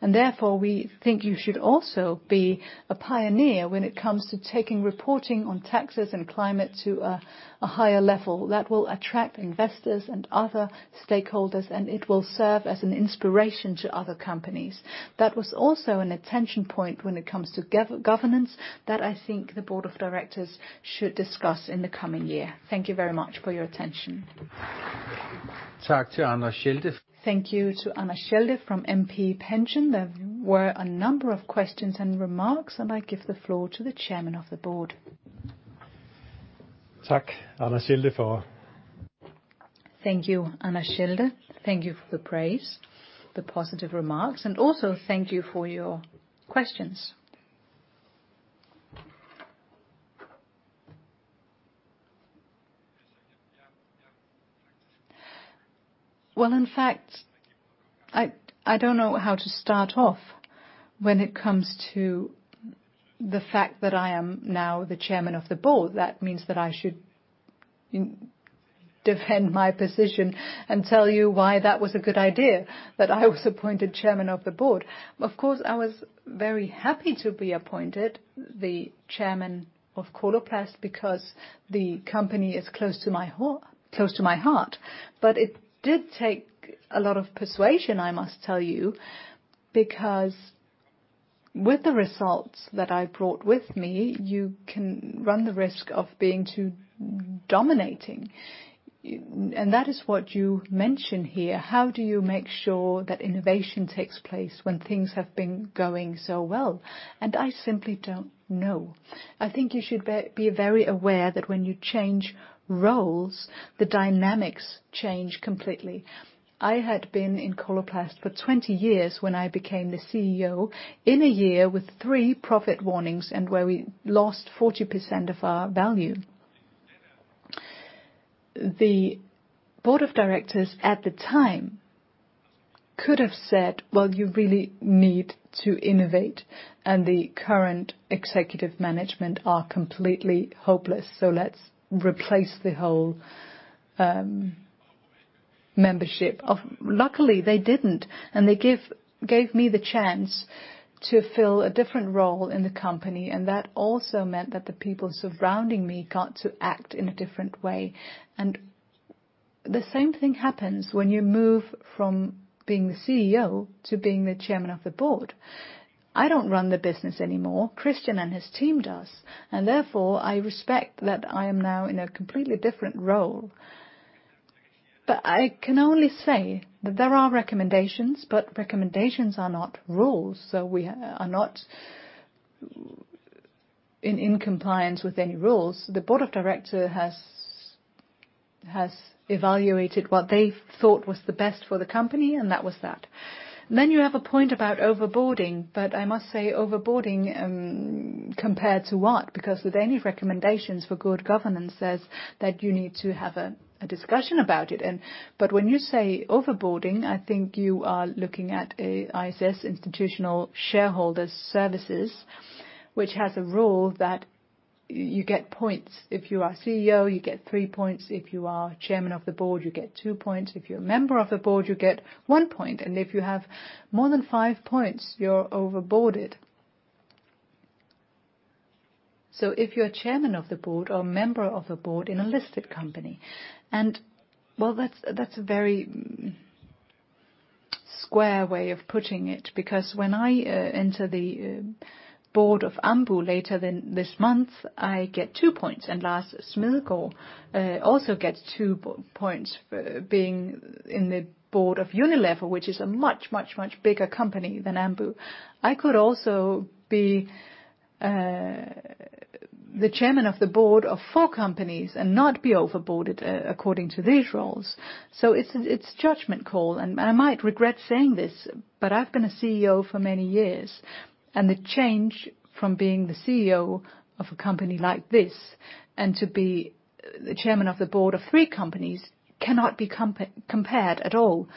Therefore, we think you should also be a pioneer when it comes to taking reporting on taxes and climate to a higher level. That will attract investors and other stakeholders, and it will serve as an inspiration to other companies. That was also an attention point when it comes to governance, that I think the board of directors should discuss in the coming year. Thank you very much for your attention. Thank you to Anna Schelde from MP Pension. There were a number of questions and remarks. I give the floor to the chairman of the board. Thank you, Anna Schelde. Thank you for the praise, the positive remarks, also thank you for your questions. Well, in fact, I don't know how to start off when it comes to the fact that I am now the chairman of the board. That means that I should defend my position and tell you why that was a good idea, that I was appointed chairman of the board. Of course, I was very happy to be appointed the chairman of Coloplast, because the company is close to my heart. It did take a lot of persuasion, I must tell you, because with the results that I brought with me, you can run the risk of being too dominating. That is what you mention here: How do you make sure that innovation takes place when things have been going so well? I simply don't know. I think you should be very aware that when you change roles, the dynamics change completely. I had been in Coloplast for 20 years when I became the CEO, in a year with 3 profit warnings and where we lost 40% of our value. The board of directors at the time could have said: "Well, you really need to innovate, and the current executive management are completely hopeless, so let's replace the whole membership of..." Luckily, they didn't. They gave me the chance to fill a different role in the company. That also meant that the people surrounding me got to act in a different way. The same thing happens when you move from being the CEO to being the chairman of the board. I don't run the business anymore, Kristian and his team does. I respect that I am now in a completely different role. I can only say that there are recommendations, but recommendations are not rules. We are not in compliance with any rules. The board of directors has evaluated what they thought was the best for the company, and that was that. You have a point about overboarding. I must say overboarding, compared to what? With any recommendations for good governance says that you need to have a discussion about it. When you say overboarding, I think you are looking at a ISS, Institutional Shareholder Services, which has a rule that you get points. If you are CEO, you get 3 points. If you are chairman of the board, you get 2 points. If you're a member of the board, you get 1 point, if you have more than 5 points, you're overboarded. If you're a chairman of the board or member of a board in a listed company, well, that's a very square way of putting it, because when I enter the board of Ambu later than this month, I get 2 points. Lars Smilko also gets 2 points for being in the board of Unilever, which is a much, much, much bigger company than Ambu. I could also be the chairman of the board of 4 companies and not be overboarded according to these rules. It's a, it's judgment call, and I might regret saying this, but I've been a CEO for many years, and the change from being the CEO of a company like this and to be the chairman of the board of three companies cannot be compared at all.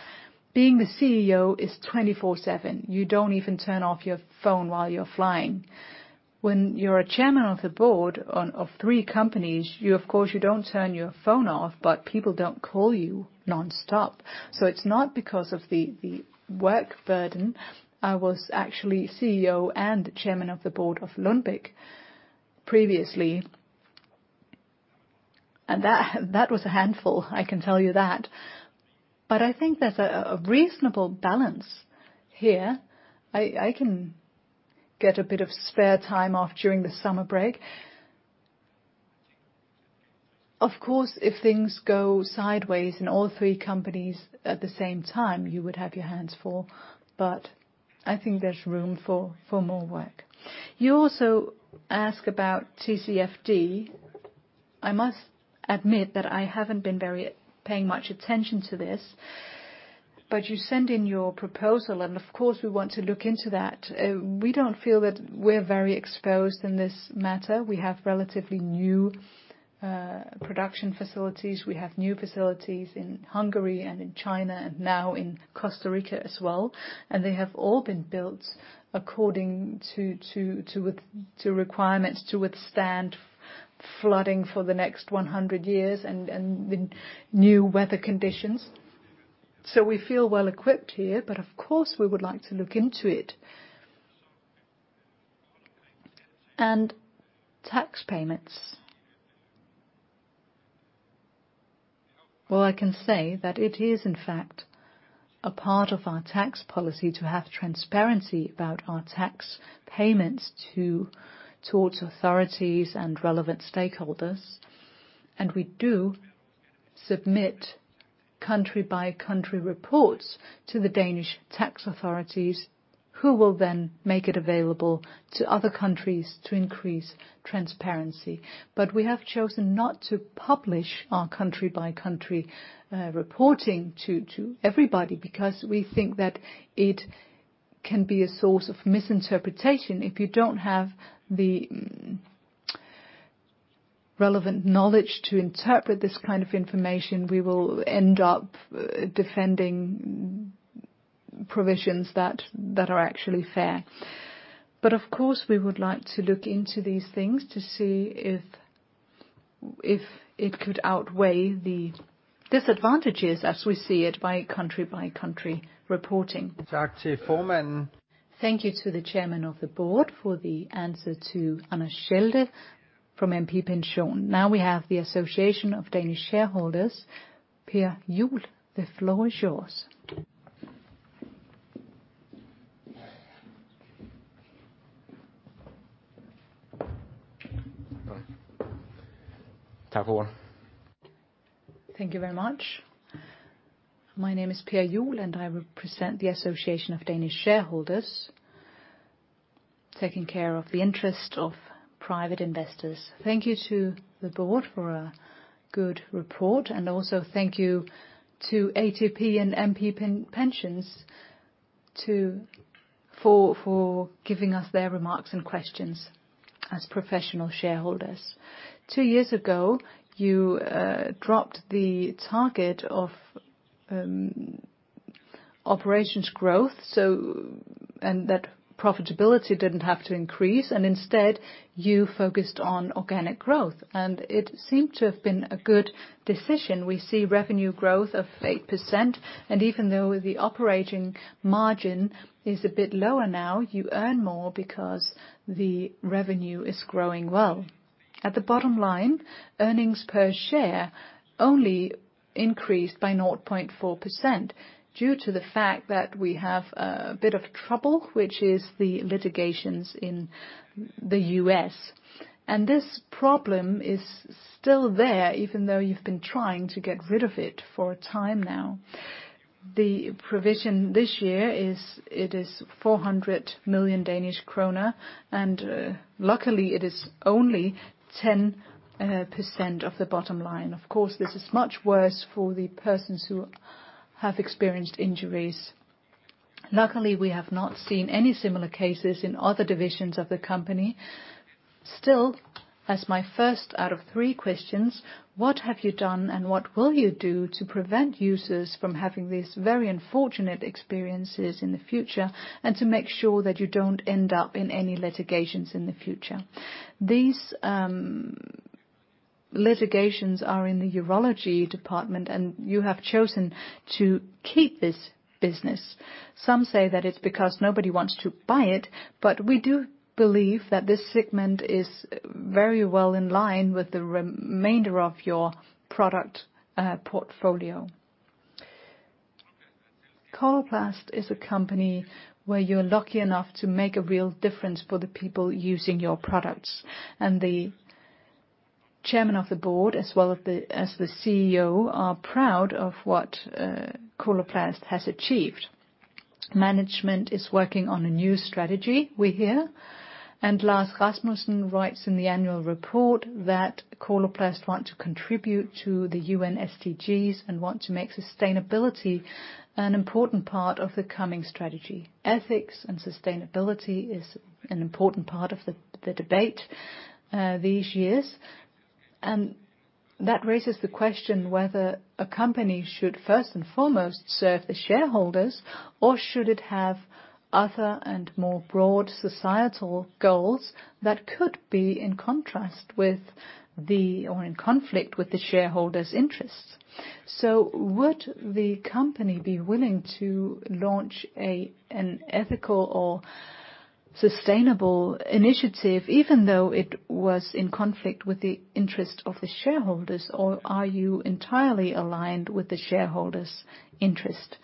Being the CEO is 24/7. You don't even turn off your phone while you're flying. When you're a chairman of the board of three companies, you of course, you don't turn your phone off, but people don't call you nonstop. It's not because of the work burden. I was actually CEO and chairman of the board of Lundbeck previously, and that was a handful, I can tell you that. I think there's a reasonable balance here. I can get a bit of spare time off during the summer break. Of course, if things go sideways in all three companies at the same time, you would have your hands full. I think there's room for more work. You also ask about TCFD. I must admit that I haven't been paying much attention to this, but you send in your proposal, and of course, we want to look into that. We don't feel that we're very exposed in this matter. We have relatively new production facilities. We have new facilities in Hungary and in China and now in Costa Rica as well. They have all been built according to requirements to withstand flooding for the next 100 years and the new weather conditions. We feel well equipped here, but of course, we would like to look into it. Tax payments. I can say that it is, in fact, a part of our tax policy to have transparency about our tax payments to, towards authorities and relevant stakeholders. We do submit country-by-country reports to the Danish tax authorities, who will then make it available to other countries to increase transparency. We have chosen not to publish our country-by-country reporting to everybody, because we think that it can be a source of misinterpretation. If you don't have the relevant knowledge to interpret this kind of information, we will end up defending provisions that are actually fair. Of course, we would like to look into these things to see if it could outweigh the disadvantages as we see it by country-by-country reporting. Thank you to the chairman of the board for the answer to Anna Schelde from MP Pension. We have the Association of Danish Shareholders, Per Juul. The floor is yours. Thank you very much. My name is Per Juul, and I represent the Association of Danish Shareholders, taking care of the interest of private investors. Thank you to the board for a good report, and also thank you to ATP and MP Pension for giving us their remarks and questions as professional shareholders. Two years ago, you dropped the target of operations growth, and that profitability didn't have to increase, and instead, you focused on organic growth, and it seemed to have been a good decision. We see revenue growth of 8%, and even though the operating margin is a bit lower now, you earn more because the revenue is growing well. At the bottom line, earnings per share. increased by 0.4%, due to the fact that we have a bit of trouble, which is the litigations in the US. This problem is still there, even though you've been trying to get rid of it for a time now. The provision this year is 400 million Danish krone, and luckily it is only 10% of the bottom line. Of course, this is much worse for the persons who have experienced injuries. Luckily, we have not seen any similar cases in other divisions of the company. Still, as my first out of three questions, what have you done and what will you do to prevent users from having these very unfortunate experiences in the future, and to make sure that you don't end up in any litigations in the future? These litigations are in the urology department. You have chosen to keep this business. Some say that it's because nobody wants to buy it. We do believe that this segment is very well in line with the remainder of your product portfolio. Coloplast is a company where you're lucky enough to make a real difference for the people using your products. The chairman of the board, as well as the CEO, are proud of what Coloplast has achieved. Management is working on a new strategy, we hear. Lars Rasmussen writes in the annual report that Coloplast want to contribute to the UN SDGs and want to make sustainability an important part of the coming strategy. Ethics and sustainability is an important part of the debate these years. That raises the question whether a company should first and foremost serve the shareholders, or should it have other and more broad societal goals that could be in contrast with the or in conflict with the shareholders' interests. Would the company be willing to launch an ethical or sustainable initiative, even though it was in conflict with the interest of the shareholders? Are you entirely aligned with the shareholders' interest?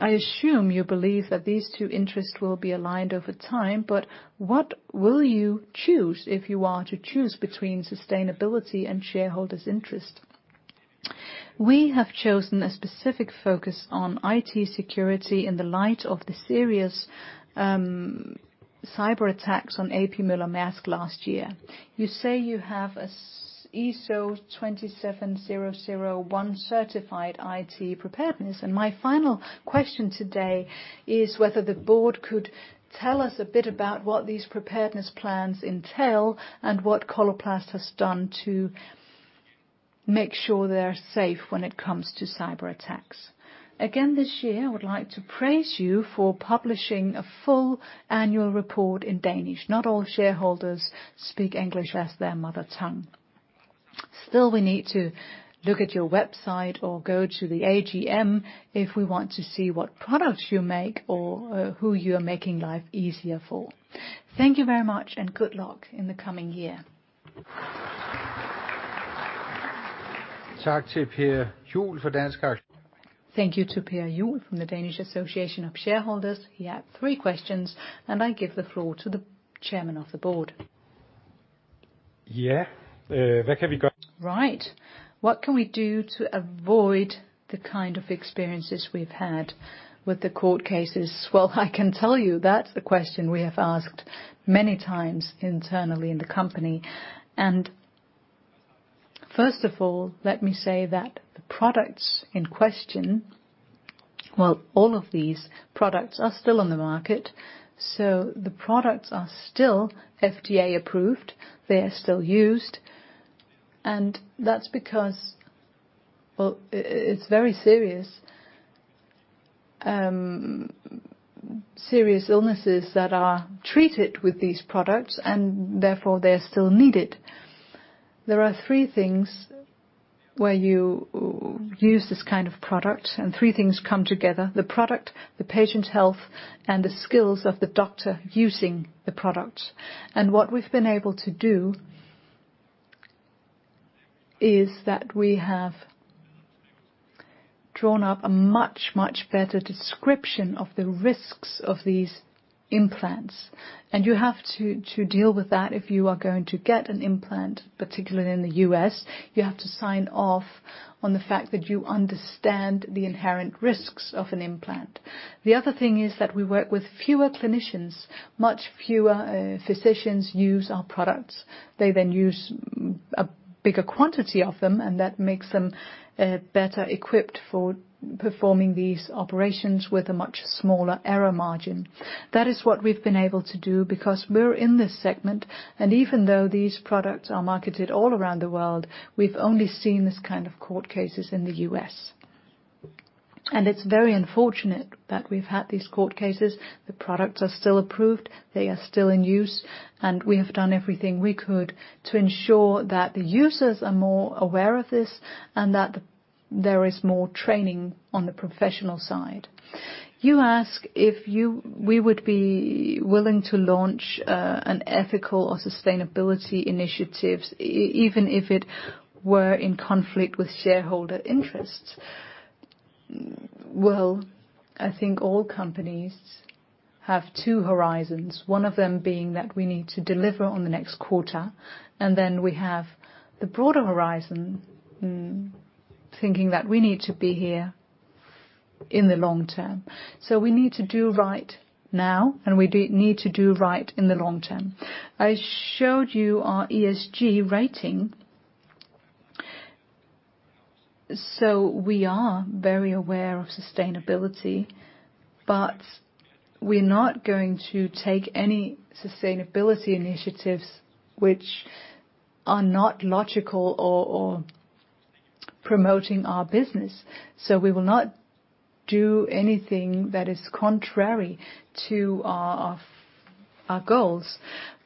I assume you believe that these two interests will be aligned over time, but what will you choose if you are to choose between sustainability and shareholders' interest? We have chosen a specific focus on IT security in the light of the serious cyberattacks on A.P. Møller-Mærsk last year. You say you have a ISO 27001 certified IT preparedness. My final question today is whether the board could tell us a bit about what these preparedness plans entail and what Coloplast has done to make sure they're safe when it comes to cyberattacks. Again, this year, I would like to praise you for publishing a full annual report in Danish. Not all shareholders speak English as their mother tongue. Still, we need to look at your website or go to the AGM if we want to see what products you make or who you are making life easier for. Thank you very much, and good luck in the coming year. Thank you to Per Juul from the Danish Association of Shareholders. He had three questions. I give the floor to the chairman of the board. Yeah, what can we Right. What can we do to avoid the kind of experiences we've had with the court cases? Well, I can tell you that's the question we have asked many times internally in the company. First of all, let me say that the products in question... Well, all of these products are still on the market, so the products are still FDA approved. They are still used, and that's because, well, it's very serious illnesses that are treated with these products, and therefore, they're still needed. There are three things where you use this kind of product, and three things come together: the product, the patient's health, and the skills of the doctor using the product. What we've been able to do... is that we have drawn up a much, much better description of the risks of these implants, and you have to deal with that if you are going to get an implant, particularly in the U.S., you have to sign off on the fact that you understand the inherent risks of an implant. The other thing is that we work with fewer clinicians. Much fewer physicians use our products. They then use a bigger quantity of them, and that makes them better equipped for performing these operations with a much smaller error margin. That is what we've been able to do because we're in this segment, and even though these products are marketed all around the world, we've only seen this kind of court cases in the U.S. It's very unfortunate that we've had these court cases. The products are still approved, they are still in use, we have done everything we could to ensure that the users are more aware of this and that there is more training on the professional side. You ask if we would be willing to launch an ethical or sustainability initiatives, even if it were in conflict with shareholder interests? I think all companies have two horizons, one of them being that we need to deliver on the next quarter, and then we have the broader horizon, thinking that we need to be here in the long term. We need to do right now, and we need to do right in the long term. I showed you our ESG rating. We are very aware of sustainability, but we're not going to take any sustainability initiatives which are not logical or promoting our business. We will not do anything that is contrary to our goals.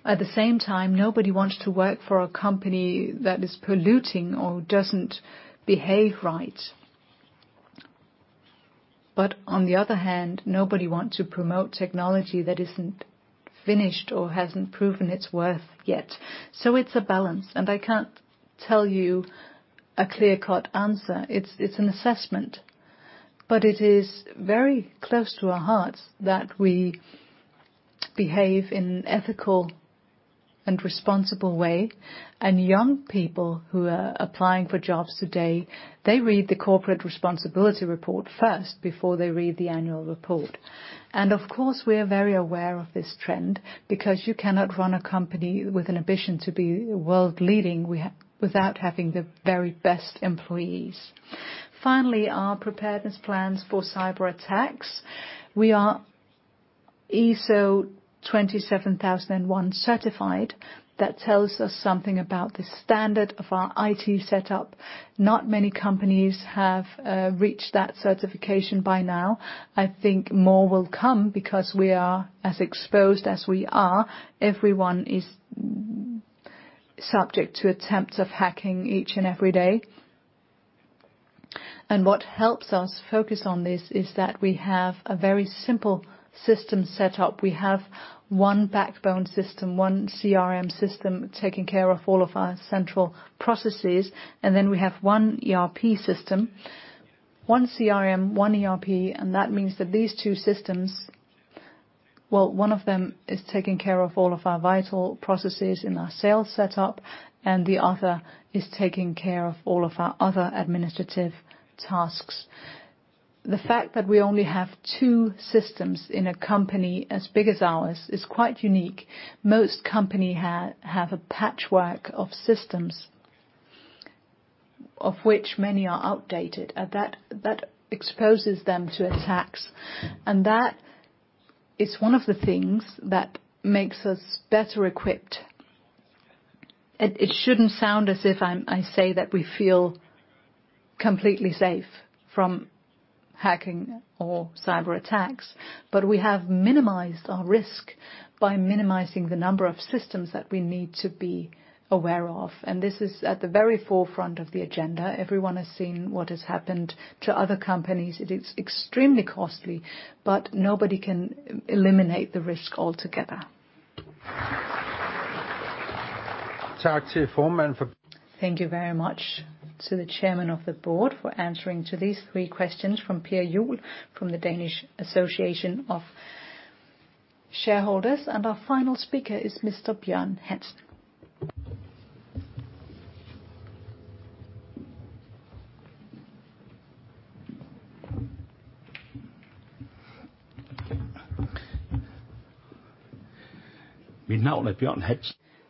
At the same time, nobody wants to work for a company that is polluting or doesn't behave right. On the other hand, nobody want to promote technology that isn't finished or hasn't proven its worth yet. It's a balance, and I can't tell you a clear-cut answer. It's an assessment, but it is very close to our hearts that we behave in ethical and responsible way. Young people who are applying for jobs today, they read the corporate responsibility report first, before they read the annual report. Of course, we are very aware of this trend, because you cannot run a company with an ambition to be world-leading, without having the very best employees. Finally, our preparedness plans for cyberattacks. We are ISO 27001 certified. That tells us something about the standard of our IT setup. Not many companies have reached that certification by now. I think more will come because we are as exposed as we are. Everyone is subject to attempts of hacking each and every day. What helps us focus on this, is that we have a very simple system set up. We have 1 backbone system, 1 CRM system, taking care of all of our central processes, and then we have 1 ERP system. 1 CRM, 1 ERP, that means that these two systems... One of them is taking care of all of our vital processes in our sales setup, and the other is taking care of all of our other administrative tasks. The fact that we only have 2 systems in a company as big as ours is quite unique. Most company have a patchwork of systems, of which many are outdated, and that exposes them to attacks, and that is one of the things that makes us better equipped. It shouldn't sound as if I say that we feel completely safe from hacking or cyberattacks, but we have minimized our risk by minimizing the number of systems that we need to be aware of, and this is at the very forefront of the agenda. Everyone has seen what has happened to other companies. It is extremely costly, but nobody can eliminate the risk altogether. Thank you very much to the chairman of the board for answering to these 3 questions from Per Juul, from the Association of Danish Shareholders. Our final speaker is Mr. Bjørn Hansen.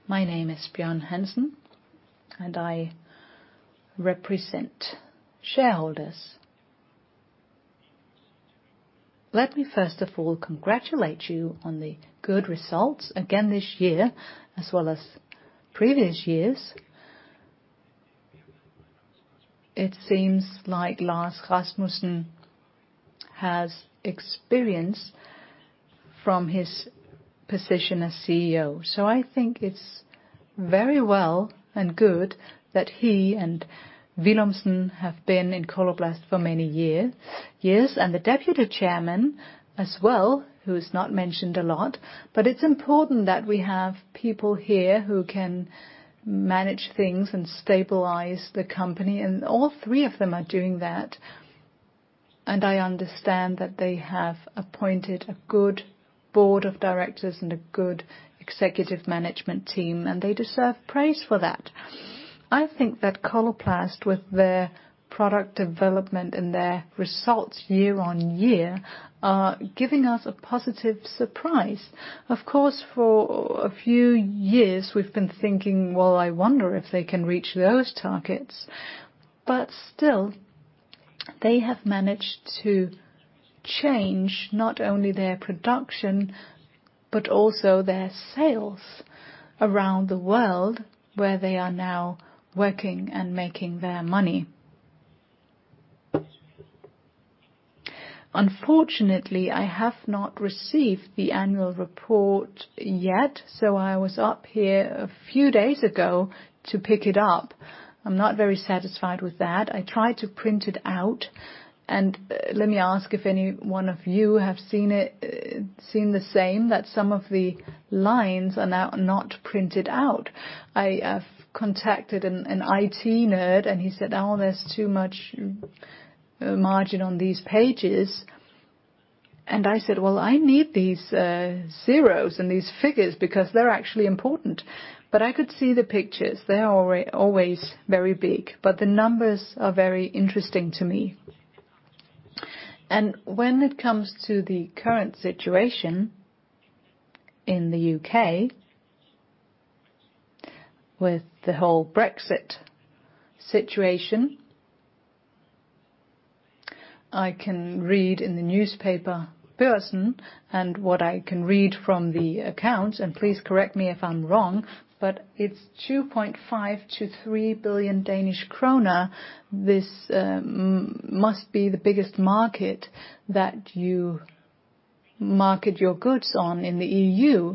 My name is Bjørn Hansen, and I represent shareholders. Let me, first of all, congratulate you on the good results again this year, as well as previous years. It seems like Lars Rasmussen has experience from his position as CEO, so I think it's very well and good that he and Villumsen have been in Coloplast for many years, and the Deputy Chairman as well, who is not mentioned a lot. It's important that we have people here who can manage things and stabilize the company, and all 3 of them are doing that. I understand that they have appointed a good board of directors and a good executive management team, and they deserve praise for that. I think that Coloplast, with their product development and their results year-on-year, are giving us a positive surprise. Of course, for a few years, we've been thinking, "Well, I wonder if they can reach those targets." Still, they have managed to change not only their production, but also their sales around the world, where they are now working and making their money. Unfortunately, I have not received the annual report yet, so I was up here a few days ago to pick it up. I'm not very satisfied with that. I tried to print it out, and let me ask if any one of you have seen it, seen the same, that some of the lines are now not printed out. I have contacted an IT nerd, he said, "Oh, there's too much margin on these pages." I said, "Well, I need these zeros and these figures because they're actually important." I could see the pictures. They're always very big, but the numbers are very interesting to me. When it comes to the current situation in the U.K., with the whole Brexit situation, I can read in the newspaper, Børsen, and what I can read from the accounts, and please correct me if I'm wrong, but it's 2.5 billion-3 billion DKK. This must be the biggest market that you market your goods on in the EU.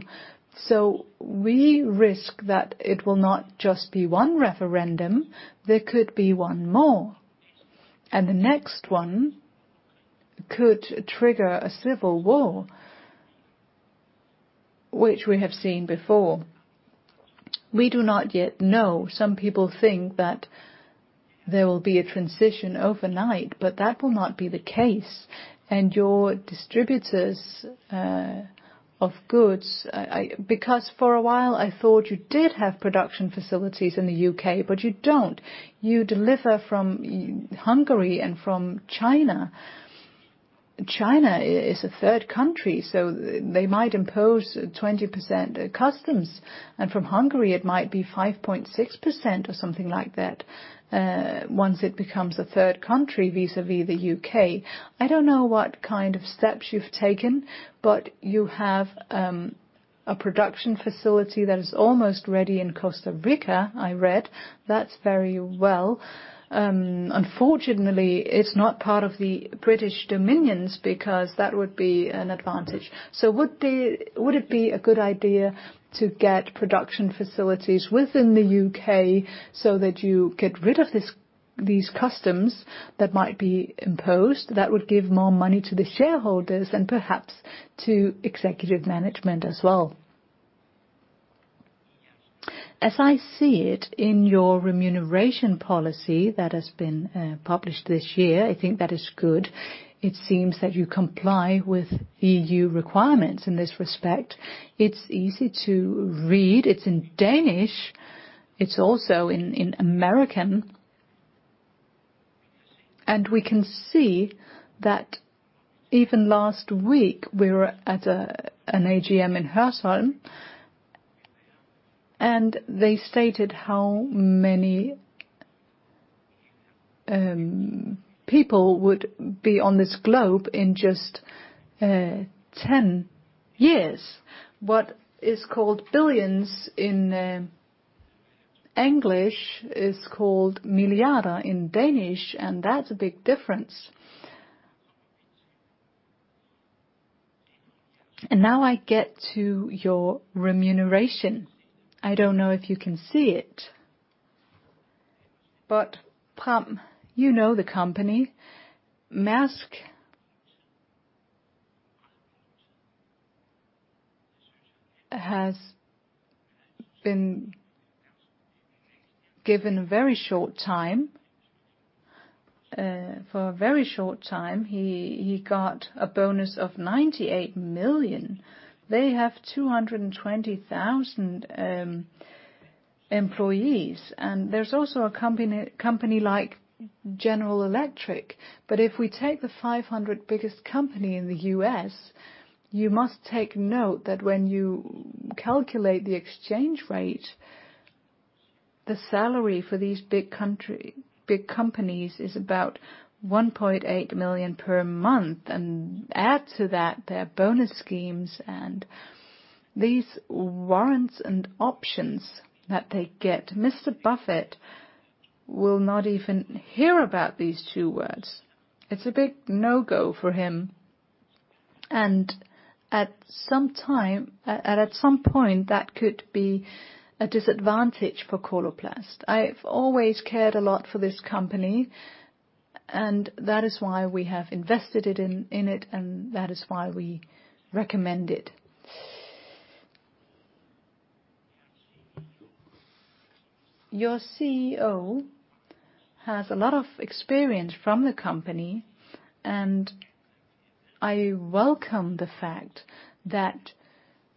We risk that it will not just be one referendum, there could be one more, and the next one could trigger a civil war, which we have seen before. We do not yet know. Some people think that there will be a transition overnight, but that will not be the case. Your distributors of goods. Because for a while, I thought you did have production facilities in the U.K., but you don't. You deliver from Hungary and from China. China is a third country. They might impose 20% customs, and from Hungary it might be 5.6% or something like that, once it becomes a third country, vis-à-vis the U.K. I don't know what kind of steps you've taken, but you have a production facility that is almost ready in Costa Rica, I read. That's very well. Unfortunately, it's not part of the British dominions, because that would be an advantage. Would it be a good idea to get production facilities within the UK so that you get rid of this, these customs that might be imposed? That would give more money to the shareholders and perhaps to executive management as well. As I see it in your remuneration policy that has been published this year, I think that is good. It seems that you comply with EU requirements in this respect. It's easy to read. It's in Danish, it's also in American. We can see that even last week, we were at an AGM in Hørsholm, and they stated how many people would be on this globe in just 10 years. What is called billions in English is called milliarder in Danish, and that's a big difference. Now I get to your remuneration. I don't know if you can see it, but Pam, you know the company, Maersk, has been given a very short time. For a very short time, he got a bonus of 98 million. They have 220,000 employees, and there's also a company like General Electric. If we take the 500 biggest company in the U.S., you must take note that when you calculate the exchange rate, the salary for these big companies is about 1.8 million per month, and add to that their bonus schemes and these warrants and options that they get. Mr. Buffett will not even hear about these two words. It's a big no-go for him. At some time, at some point, that could be a disadvantage for Coloplast. I've always cared a lot for this company, and that is why we have invested in it, and that is why we recommend it. Your CEO has a lot of experience from the company, and I welcome the fact that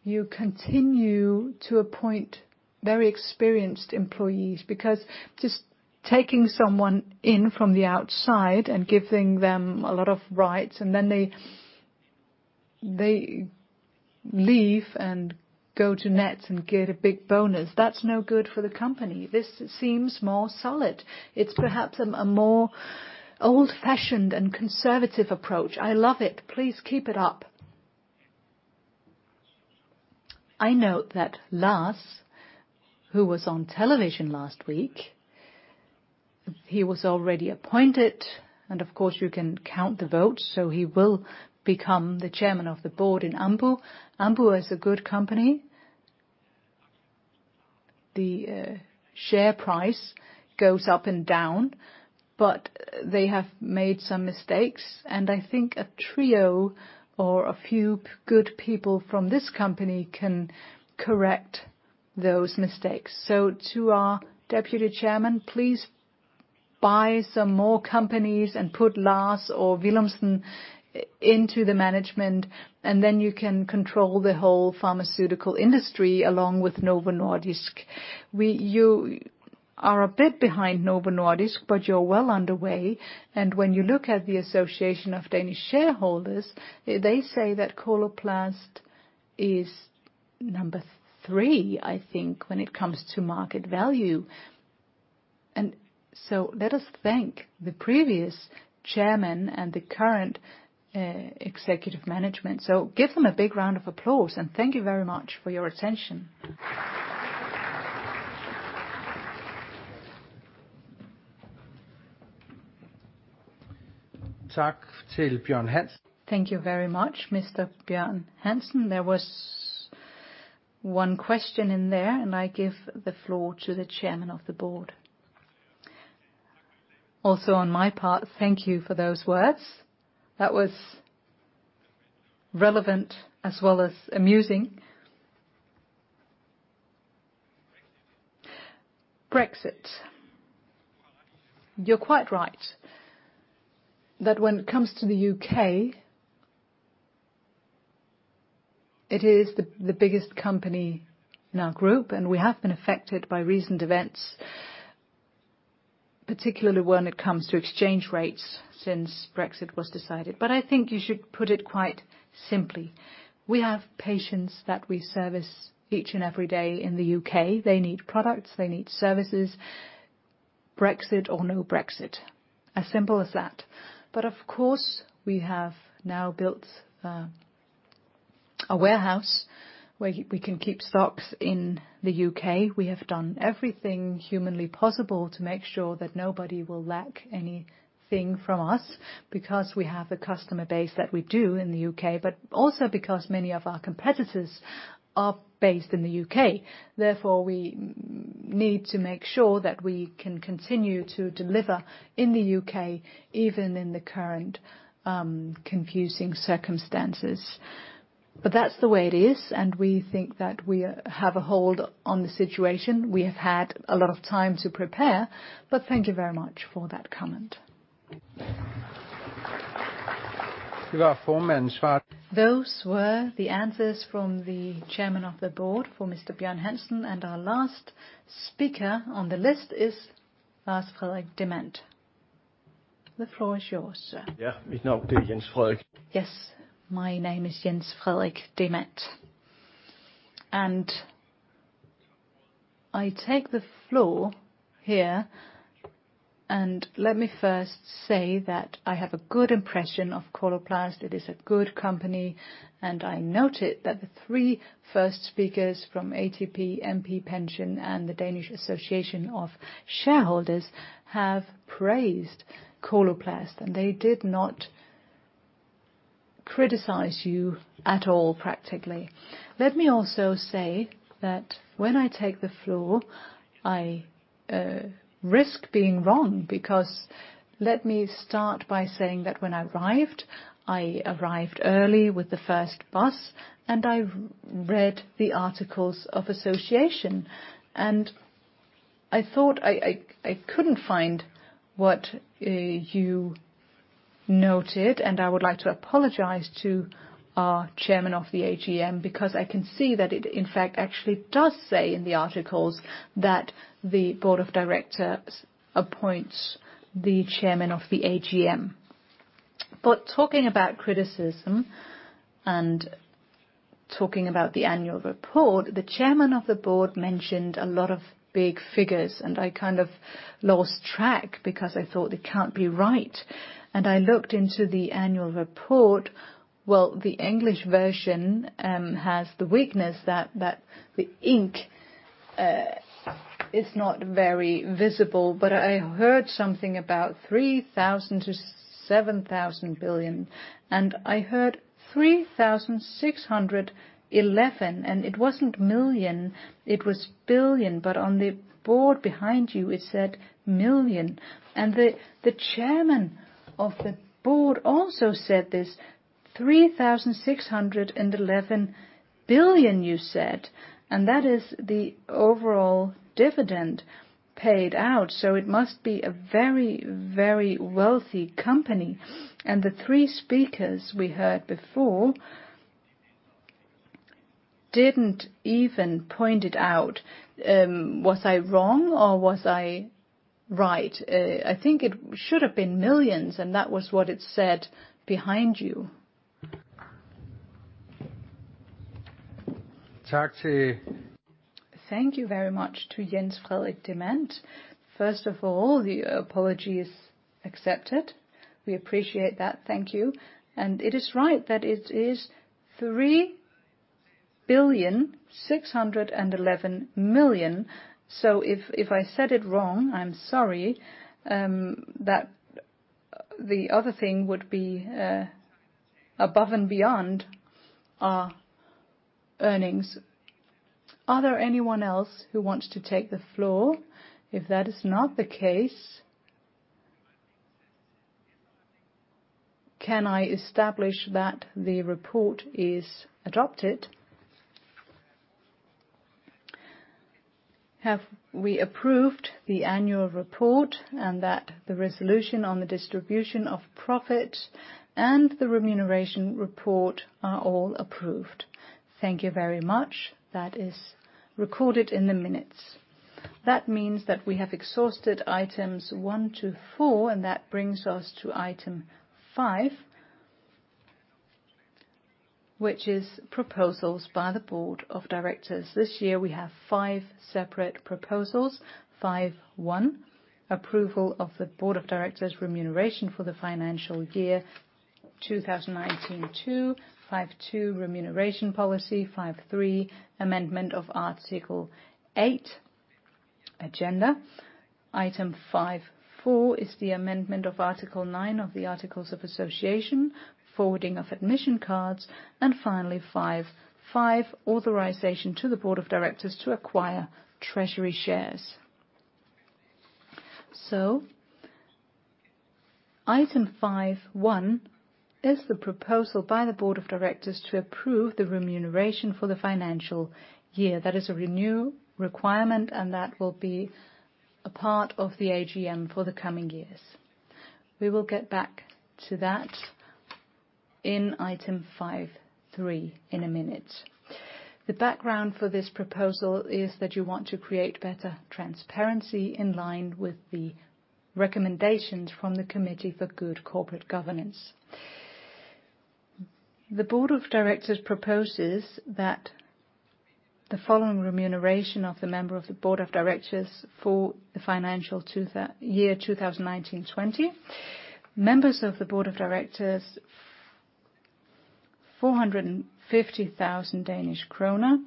you continue to appoint very experienced employees, because just taking someone in from the outside and giving them a lot of rights, and then they leave and go to Nets and get a big bonus, that's no good for the company. This seems more solid. It's perhaps a more old-fashioned and conservative approach. I love it. Please keep it up. I note that Lars, who was on television last week, he was already appointed, and of course, you can count the votes, so he will become the chairman of the board in Ambu. Ambu is a good company. The share price goes up and down, they have made some mistakes, and I think a trio or a few good people from this company can correct those mistakes. To our deputy chairman, please buy some more companies and put Lars or Willumsen into the management, then you can control the whole pharmaceutical industry, along with Novo Nordisk. You are a bit behind Novo Nordisk, but you're well underway, and when you look at the Association of Danish Shareholders, they say that Coloplast is number 3, I think, when it comes to market value. Let us thank the previous chairman and the current executive management. Give them a big round of applause, and thank you very much for your attention. Thank you very much, Mr. Bjørn Hansen. There was one question in there, and I give the floor to the chairman of the board. Also on my part, thank you for those words. That was relevant as well as amusing. Brexit. You're quite right that when it comes to the UK, it is the biggest company in our group, and we have been affected by recent events, particularly when it comes to exchange rates since Brexit was decided. I think you should put it quite simply: We have patients that we service each and every day in the UK. They need products, they need services, Brexit or no Brexit, as simple as that. Of course, we have now built a warehouse where we can keep stocks in the UK. We have done everything humanly possible to make sure that nobody will lack anything from us because we have the customer base that we do in the UK, but also because many of our competitors are based in the UK. Therefore, we need to make sure that we can continue to deliver in the UK, even in the current confusing circumstances. But that's the way it is, and we think that we have a hold on the situation. We have had a lot of time to prepare, but thank you very much for that comment. Those were the answers from the chairman of the board, for Mr. Bjørn Hansen, and our last speaker on the list is Jens Frederik Dimant. The floor is yours, sir. Yes, my name is Jens Frederik Demant, and I take the floor here, and let me first say that I have a good impression of Coloplast. It is a good company, and I noted that the 3 first speakers from ATP, MP Pension, and the Association of Danish Shareholders have praised Coloplast, and they did not criticize you at all, practically. Let me also say that when I take the floor, I risk being wrong, because let me start by saying that when I arrived, I arrived early with the first bus, and I read the articles of association, and I couldn't find what you noted. I would like to apologize to our chairman of the AGM because I can see that it, in fact, actually does say in the articles that the board of directors appoints the chairman of the AGM. Talking about criticism and talking about the annual report, the Chairman of the Board mentioned a lot of big figures, and I kind of lost track because I thought they can't be right. I looked into the annual report. The English version has the weakness that the ink is not very visible, but I heard something about 3,000 billion-7,000 billion, and I heard 3,611 billion, and it wasn't million, it was billion. On the board behind you, it said million. The Chairman of the Board also said this. "3,611 billion," you said, and that is the overall dividend paid out, so it must be a very, very wealthy company. The 3 speakers we heard before didn't even point it out. Was I wrong or was I right? I think it should have been millions, that was what it said behind you. Thank you. Thank you very much to Jens Frederik Demant. First of all, the apology is accepted. We appreciate that. Thank you. It is right that it is 3 billion, 611 million. If I said it wrong, I'm sorry, that the other thing would be above and beyond our earnings. Are there anyone else who wants to take the floor? If that is not the case, can I establish that the report is adopted? Have we approved the annual report and that the resolution on the distribution of profit and the remuneration report are all approved? Thank you very much. That is recorded in the minutes. That means that we have exhausted items 1 to 4, that brings us to item 5, which is proposals by the board of directors. This year we have 5 separate proposals. 5.1, approval of the board of directors remuneration for the financial year 2019. 5.2, remuneration policy. 5.3, amendment of Article 8, agenda. Item 5.4 is the amendment of Article 9 of the Articles of Association, forwarding of admission cards, and finally, 5.5, authorization to the board of directors to acquire treasury shares. Item 5.1 is the proposal by the board of directors to approve the remuneration for the financial year. That is a renew requirement, and that will be a part of the AGM for the coming years. We will get back to that in item 5.3 in a minute. The background for this proposal is that you want to create better transparency in line with the recommendations from the Committee for Good Corporate Governance. The board of directors proposes that the following remuneration of the member of the board of directors for the financial year 2019/2020. Members of the board of directors, 450,000 Danish krone,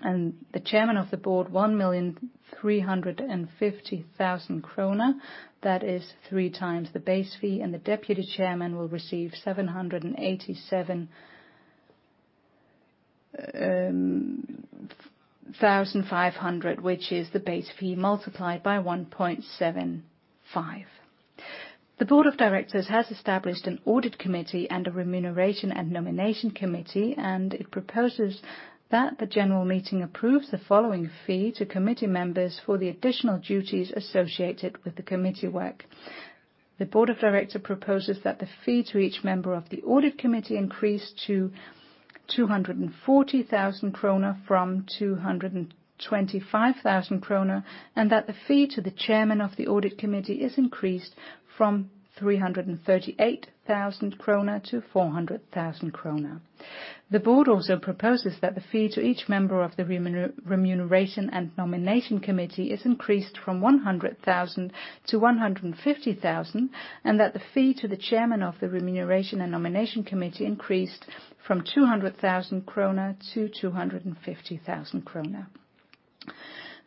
and the chairman of the board, 1,350,000 krone. That is 3 times the base fee, and the deputy chairman will receive 787,500, which is the base fee multiplied by 1.75. The board of directors has established an audit committee and a remuneration and nomination committee, and it proposes that the general meeting approves the following fee to committee members for the additional duties associated with the committee work. The board of directors proposes that the fee to each member of the Audit Committee increased to 240,000 kroner from 225,000 kroner, and that the fee to the chairman of the Audit Committee is increased from 338,000 kroner to 400,000 kroner. The board also proposes that the fee to each member of the Remuneration and Nomination Committee is increased from 100,000 to 150,000, and that the fee to the chairman of the Remuneration and Nomination Committee increased from 200,000 kroner to 250,000 kroner.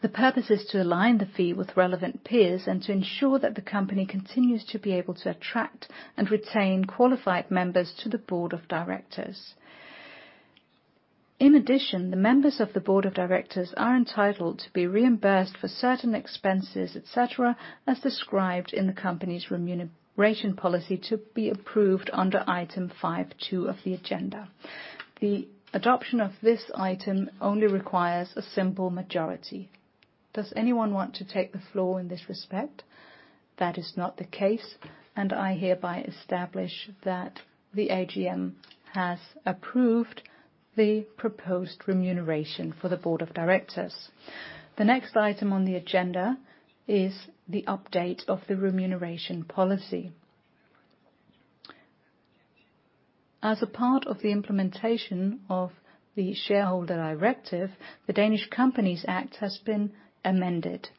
The purpose is to align the fee with relevant peers and to ensure that the company continues to be able to attract and retain qualified members to the board of directors. In addition, the members of the board of directors are entitled to be reimbursed for certain expenses, et cetera, as described in the company's remuneration policy, to be approved under item 5.2 of the agenda. The adoption of this item only requires a simple majority. Does anyone want to take the floor in this respect? That is not the case. I hereby establish that the AGM has approved the proposed remuneration for the board of directors. The next item on the agenda is the update of the remuneration policy. As a part of the implementation of the Shareholder Rights Directive, the Danish Companies Act has been amended.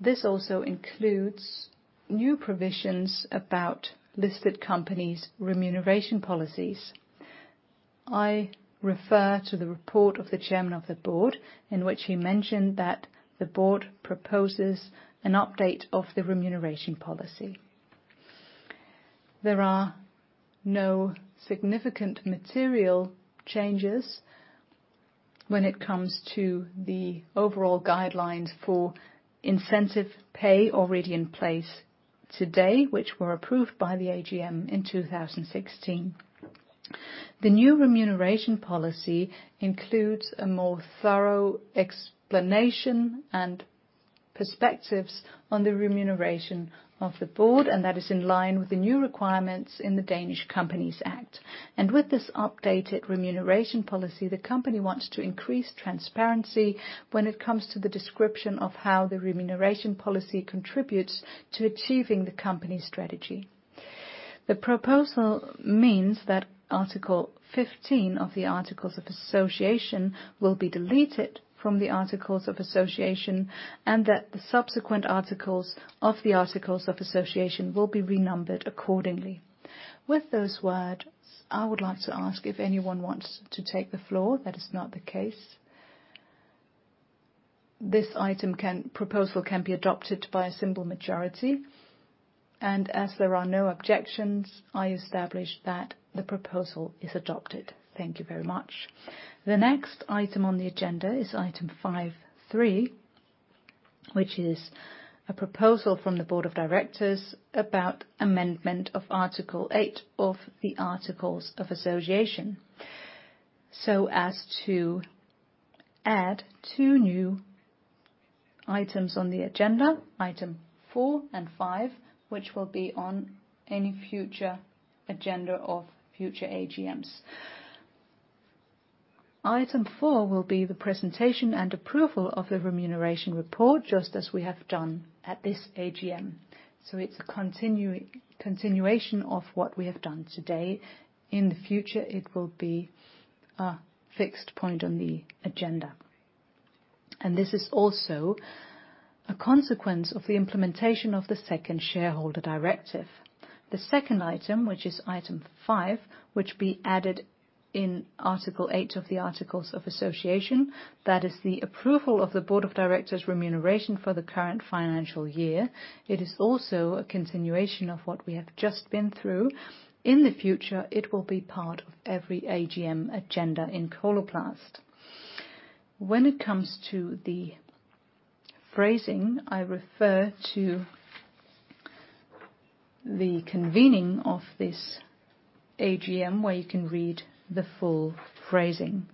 This also includes new provisions about listed companies' remuneration policies. I refer to the report of the chairman of the board, in which he mentioned that the board proposes an update of the remuneration policy. There are no significant material changes when it comes to the overall guidelines for incentive pay already in place today, which were approved by the AGM in 2016. The new remuneration policy includes a more thorough explanation and perspectives on the remuneration of the board, and that is in line with the new requirements in the Danish Companies Act. With this updated remuneration policy, the company wants to increase transparency when it comes to the description of how the remuneration policy contributes to achieving the company's strategy. The proposal means that Article 15 of the Articles of Association will be deleted from the Articles of Association, and that the subsequent articles of the Articles of Association will be renumbered accordingly. With those words, I would like to ask if anyone wants to take the floor? That is not the case. This proposal can be adopted by a simple majority, and as there are no objections, I establish that the proposal is adopted. Thank you very much. The next item on the agenda is item 5-3, which is a proposal from the Board of Directors about amendment of Article 8 of the Articles of Association. As to add two new items on the agenda, item 4 and 5, which will be on any future agenda of future AGMs. Item 4 will be the presentation and approval of the remuneration report, just as we have done at this AGM. It's a continuation of what we have done today. In the future, it will be a fixed point on the agenda. This is also a consequence of the implementation of the second Shareholder Rights Directive. The second item, which is item 5, which be added in Article 8 of the Articles of Association. That is the approval of the Board of Directors remuneration for the current financial year. It is also a continuation of what we have just been through. In the future, it will be part of every AGM agenda in Coloplast. When it comes to the phrasing, I refer to the convening of this AGM, where you can read the full phrasing.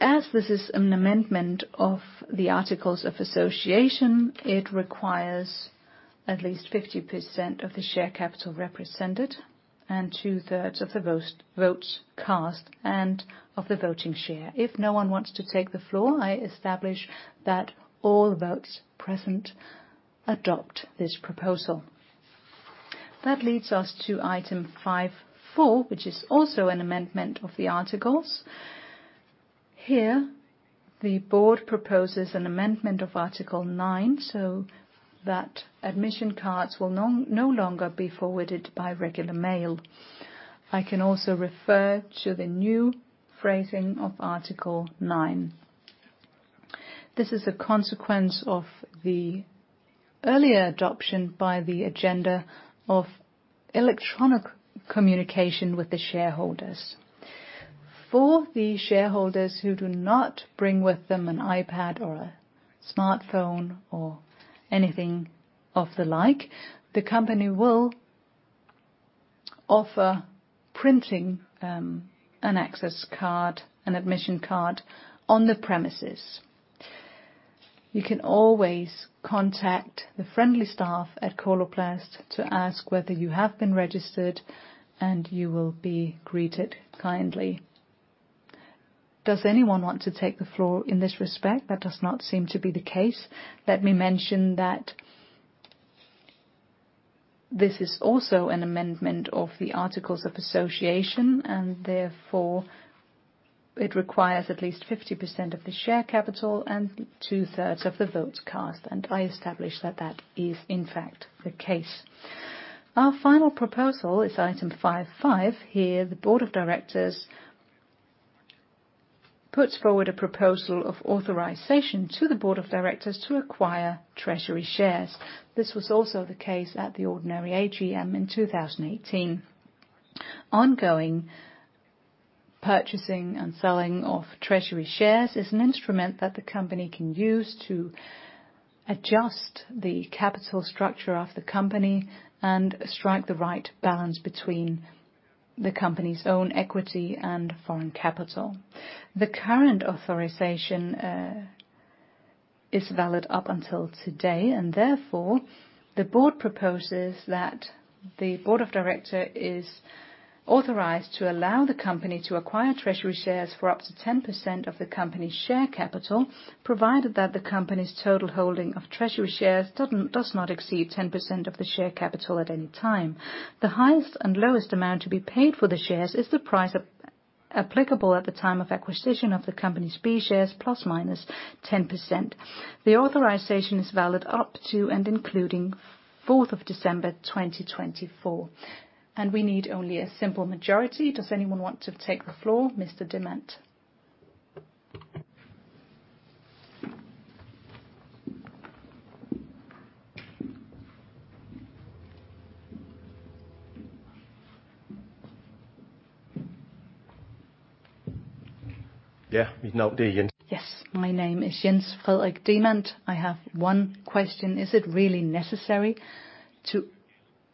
As this is an amendment of the Articles of Association, it requires at least 50% of the share capital represented and two-thirds of the votes cast and of the voting share. If no one wants to take the floor, I establish that all votes present adopt this proposal. That leads us to item 5-4, which is also an amendment of the articles. Here, the board proposes an amendment of Article nine, so that admission cards will no longer be forwarded by regular mail. I can also refer to the new phrasing of Article nine. This is a consequence of the earlier adoption by the agenda of electronic communication with the shareholders. For the shareholders who do not bring with them an iPad or a smartphone or anything of the like, the company will offer printing an access card, an admission card on the premises. You can always contact the friendly staff at Coloplast to ask whether you have been registered, and you will be greeted kindly. Does anyone want to take the floor in this respect? That does not seem to be the case. Let me mention that this is also an amendment of the Articles of Association. Therefore, it requires at least 50% of the share capital and two-thirds of the votes cast. I establish that that is in fact the case. Our final proposal is item 5-5. Here, the board of directors puts forward a proposal of authorization to the board of directors to acquire treasury shares. This was also the case at the ordinary AGM in 2018. Ongoing purchasing and selling of treasury shares is an instrument that the company can use to adjust the capital structure of the company and strike the right balance between the company's own equity and foreign capital. The current authorization is valid up until today, therefore, the board proposes that the board of directors is authorized to allow the company to acquire treasury shares for up to 10% of the company's share capital, provided that the company's total holding of treasury shares does not exceed 10% of the share capital at any time. The highest and lowest amount to be paid for the shares is the price applicable at the time of acquisition of the company's B shares, plus or minus 10%. The authorization is valid up to and including 4th of December 2024, we need only a simple majority. Does anyone want to take the floor? Mr. Demant. Yeah, his name out there, Jens. Yes, my name is Jens Frederik Demant. I have one question: Is it really necessary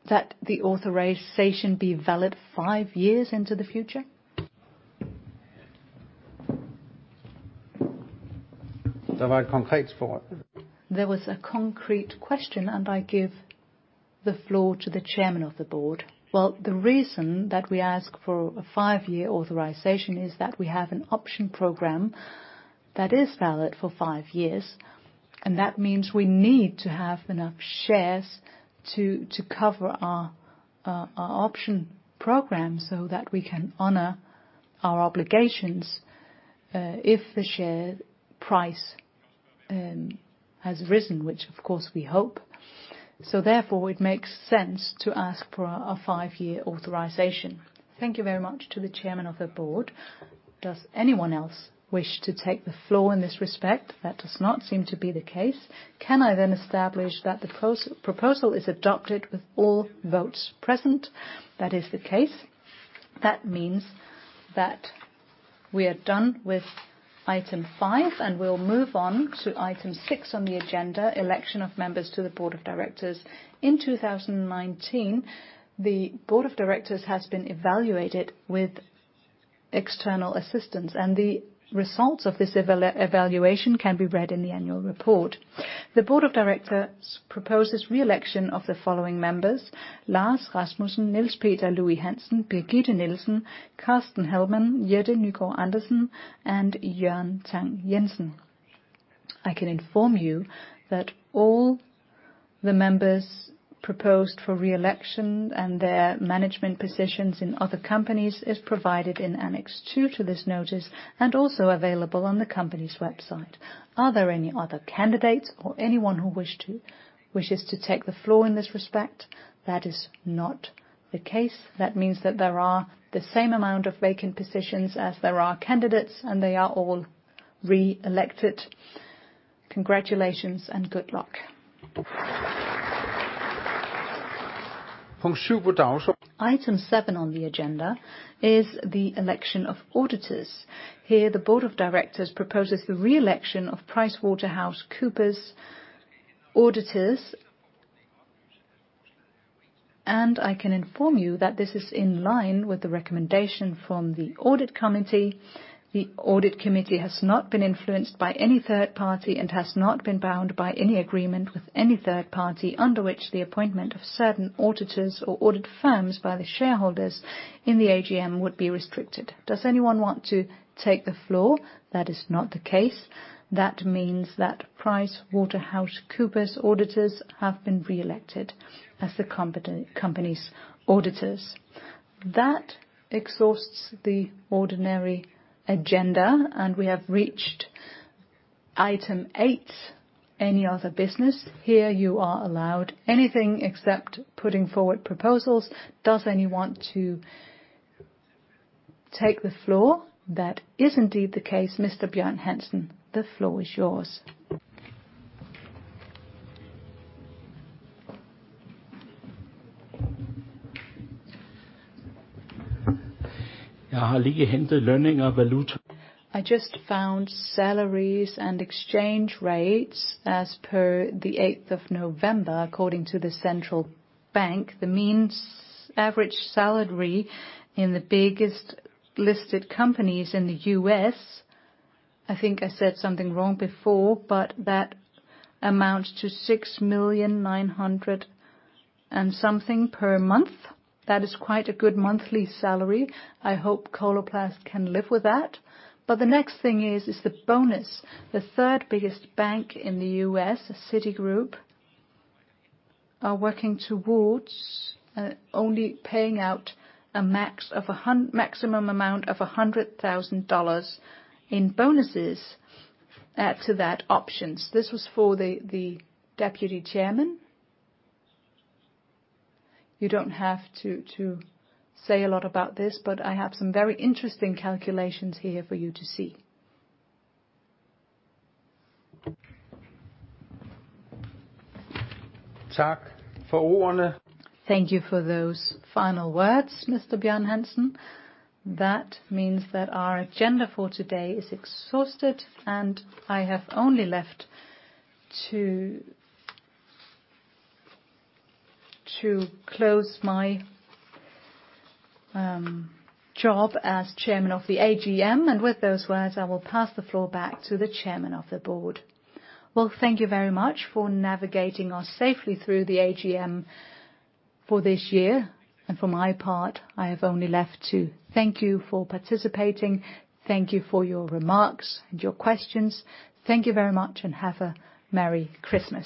that the authorization be valid five years into the future? There were concrete for it. There was a concrete question, and I give the floor to the Chairman of the Board. Well, the reason that we ask for a five-year authorization is that we have an option program. That is valid for 5 years, and that means we need to have enough shares to cover our option program, so that we can honor our obligations if the share price has risen, which of course, we hope. Therefore, it makes sense to ask for a 5-year authorization. Thank you very much to the chairman of the board. Does anyone else wish to take the floor in this respect? That does not seem to be the case. Can I then establish that the proposal is adopted with all votes present? That is the case. That means we are done with item 5, and we'll move on to item 6 on the agenda, election of members to the board of directors. In 2019, the board of directors has been evaluated with external assistance, and the results of this evaluation can be read in the annual report. The board of directors proposes re-election of the following members: Lars Rasmussen, Niels Peter Louis-Hansen, Birgitte Nielsen, Carsten Hellmann, Jette Nygaard-Andersen, and Jørgen Tang-Jensen. I can inform you that all the members proposed for re-election and their management positions in other companies, is provided in annex 2 to this notice, and also available on the company's website. Are there any other candidates or anyone who wishes to take the floor in this respect? That is not the case. That means that there are the same amount of vacant positions as there are candidates, and they are all re-elected. Congratulations, and good luck. Item 7 on the agenda is the election of auditors. Here, the board of directors proposes the re-election of PricewaterhouseCoopers auditors. I can inform you that this is in line with the recommendation from the audit committee. The audit committee has not been influenced by any third party and has not been bound by any agreement with any third party, under which the appointment of certain auditors or audit firms by the shareholders in the AGM would be restricted. Does anyone want to take the floor? That is not the case. That means that PricewaterhouseCoopers auditors have been re-elected as the company's auditors. That exhausts the ordinary agenda. We have reached item 8: any other business. Here, you are allowed anything except putting forward proposals. Does anyone want to take the floor? That is indeed the case, Mr. Bjarne Hansen, the floor is yours. I have just found salaries and exchange rates. I just found salaries and exchange rates as per the eighth of November. According to the central bank, the average salary in the biggest listed companies in the U.S., I think I said something wrong before, but that amounts to $6 million, 900 and something per month. That is quite a good monthly salary. I hope Coloplast can live with that. The next thing is the bonus. The third biggest bank in the U.S., Citigroup, are working towards only paying out a maximum amount of $100,000 in bonuses. Add to that, options. This was for the Deputy Chairman. You don't have to say a lot about this, but I have some very interesting calculations here for you to see. Thank you for those words. Thank you for those final words, Mr. Bjarne Hansen. That means that our agenda for today is exhausted, and I have only left to close my job as Chairman of the AGM. With those words, I will pass the floor back to the Chairman of the Board. Thank you very much for navigating us safely through the AGM for this year. For my part, I have only left to thank you for participating. Thank you for your remarks and your questions. Thank you very much, and have a Merry Christmas.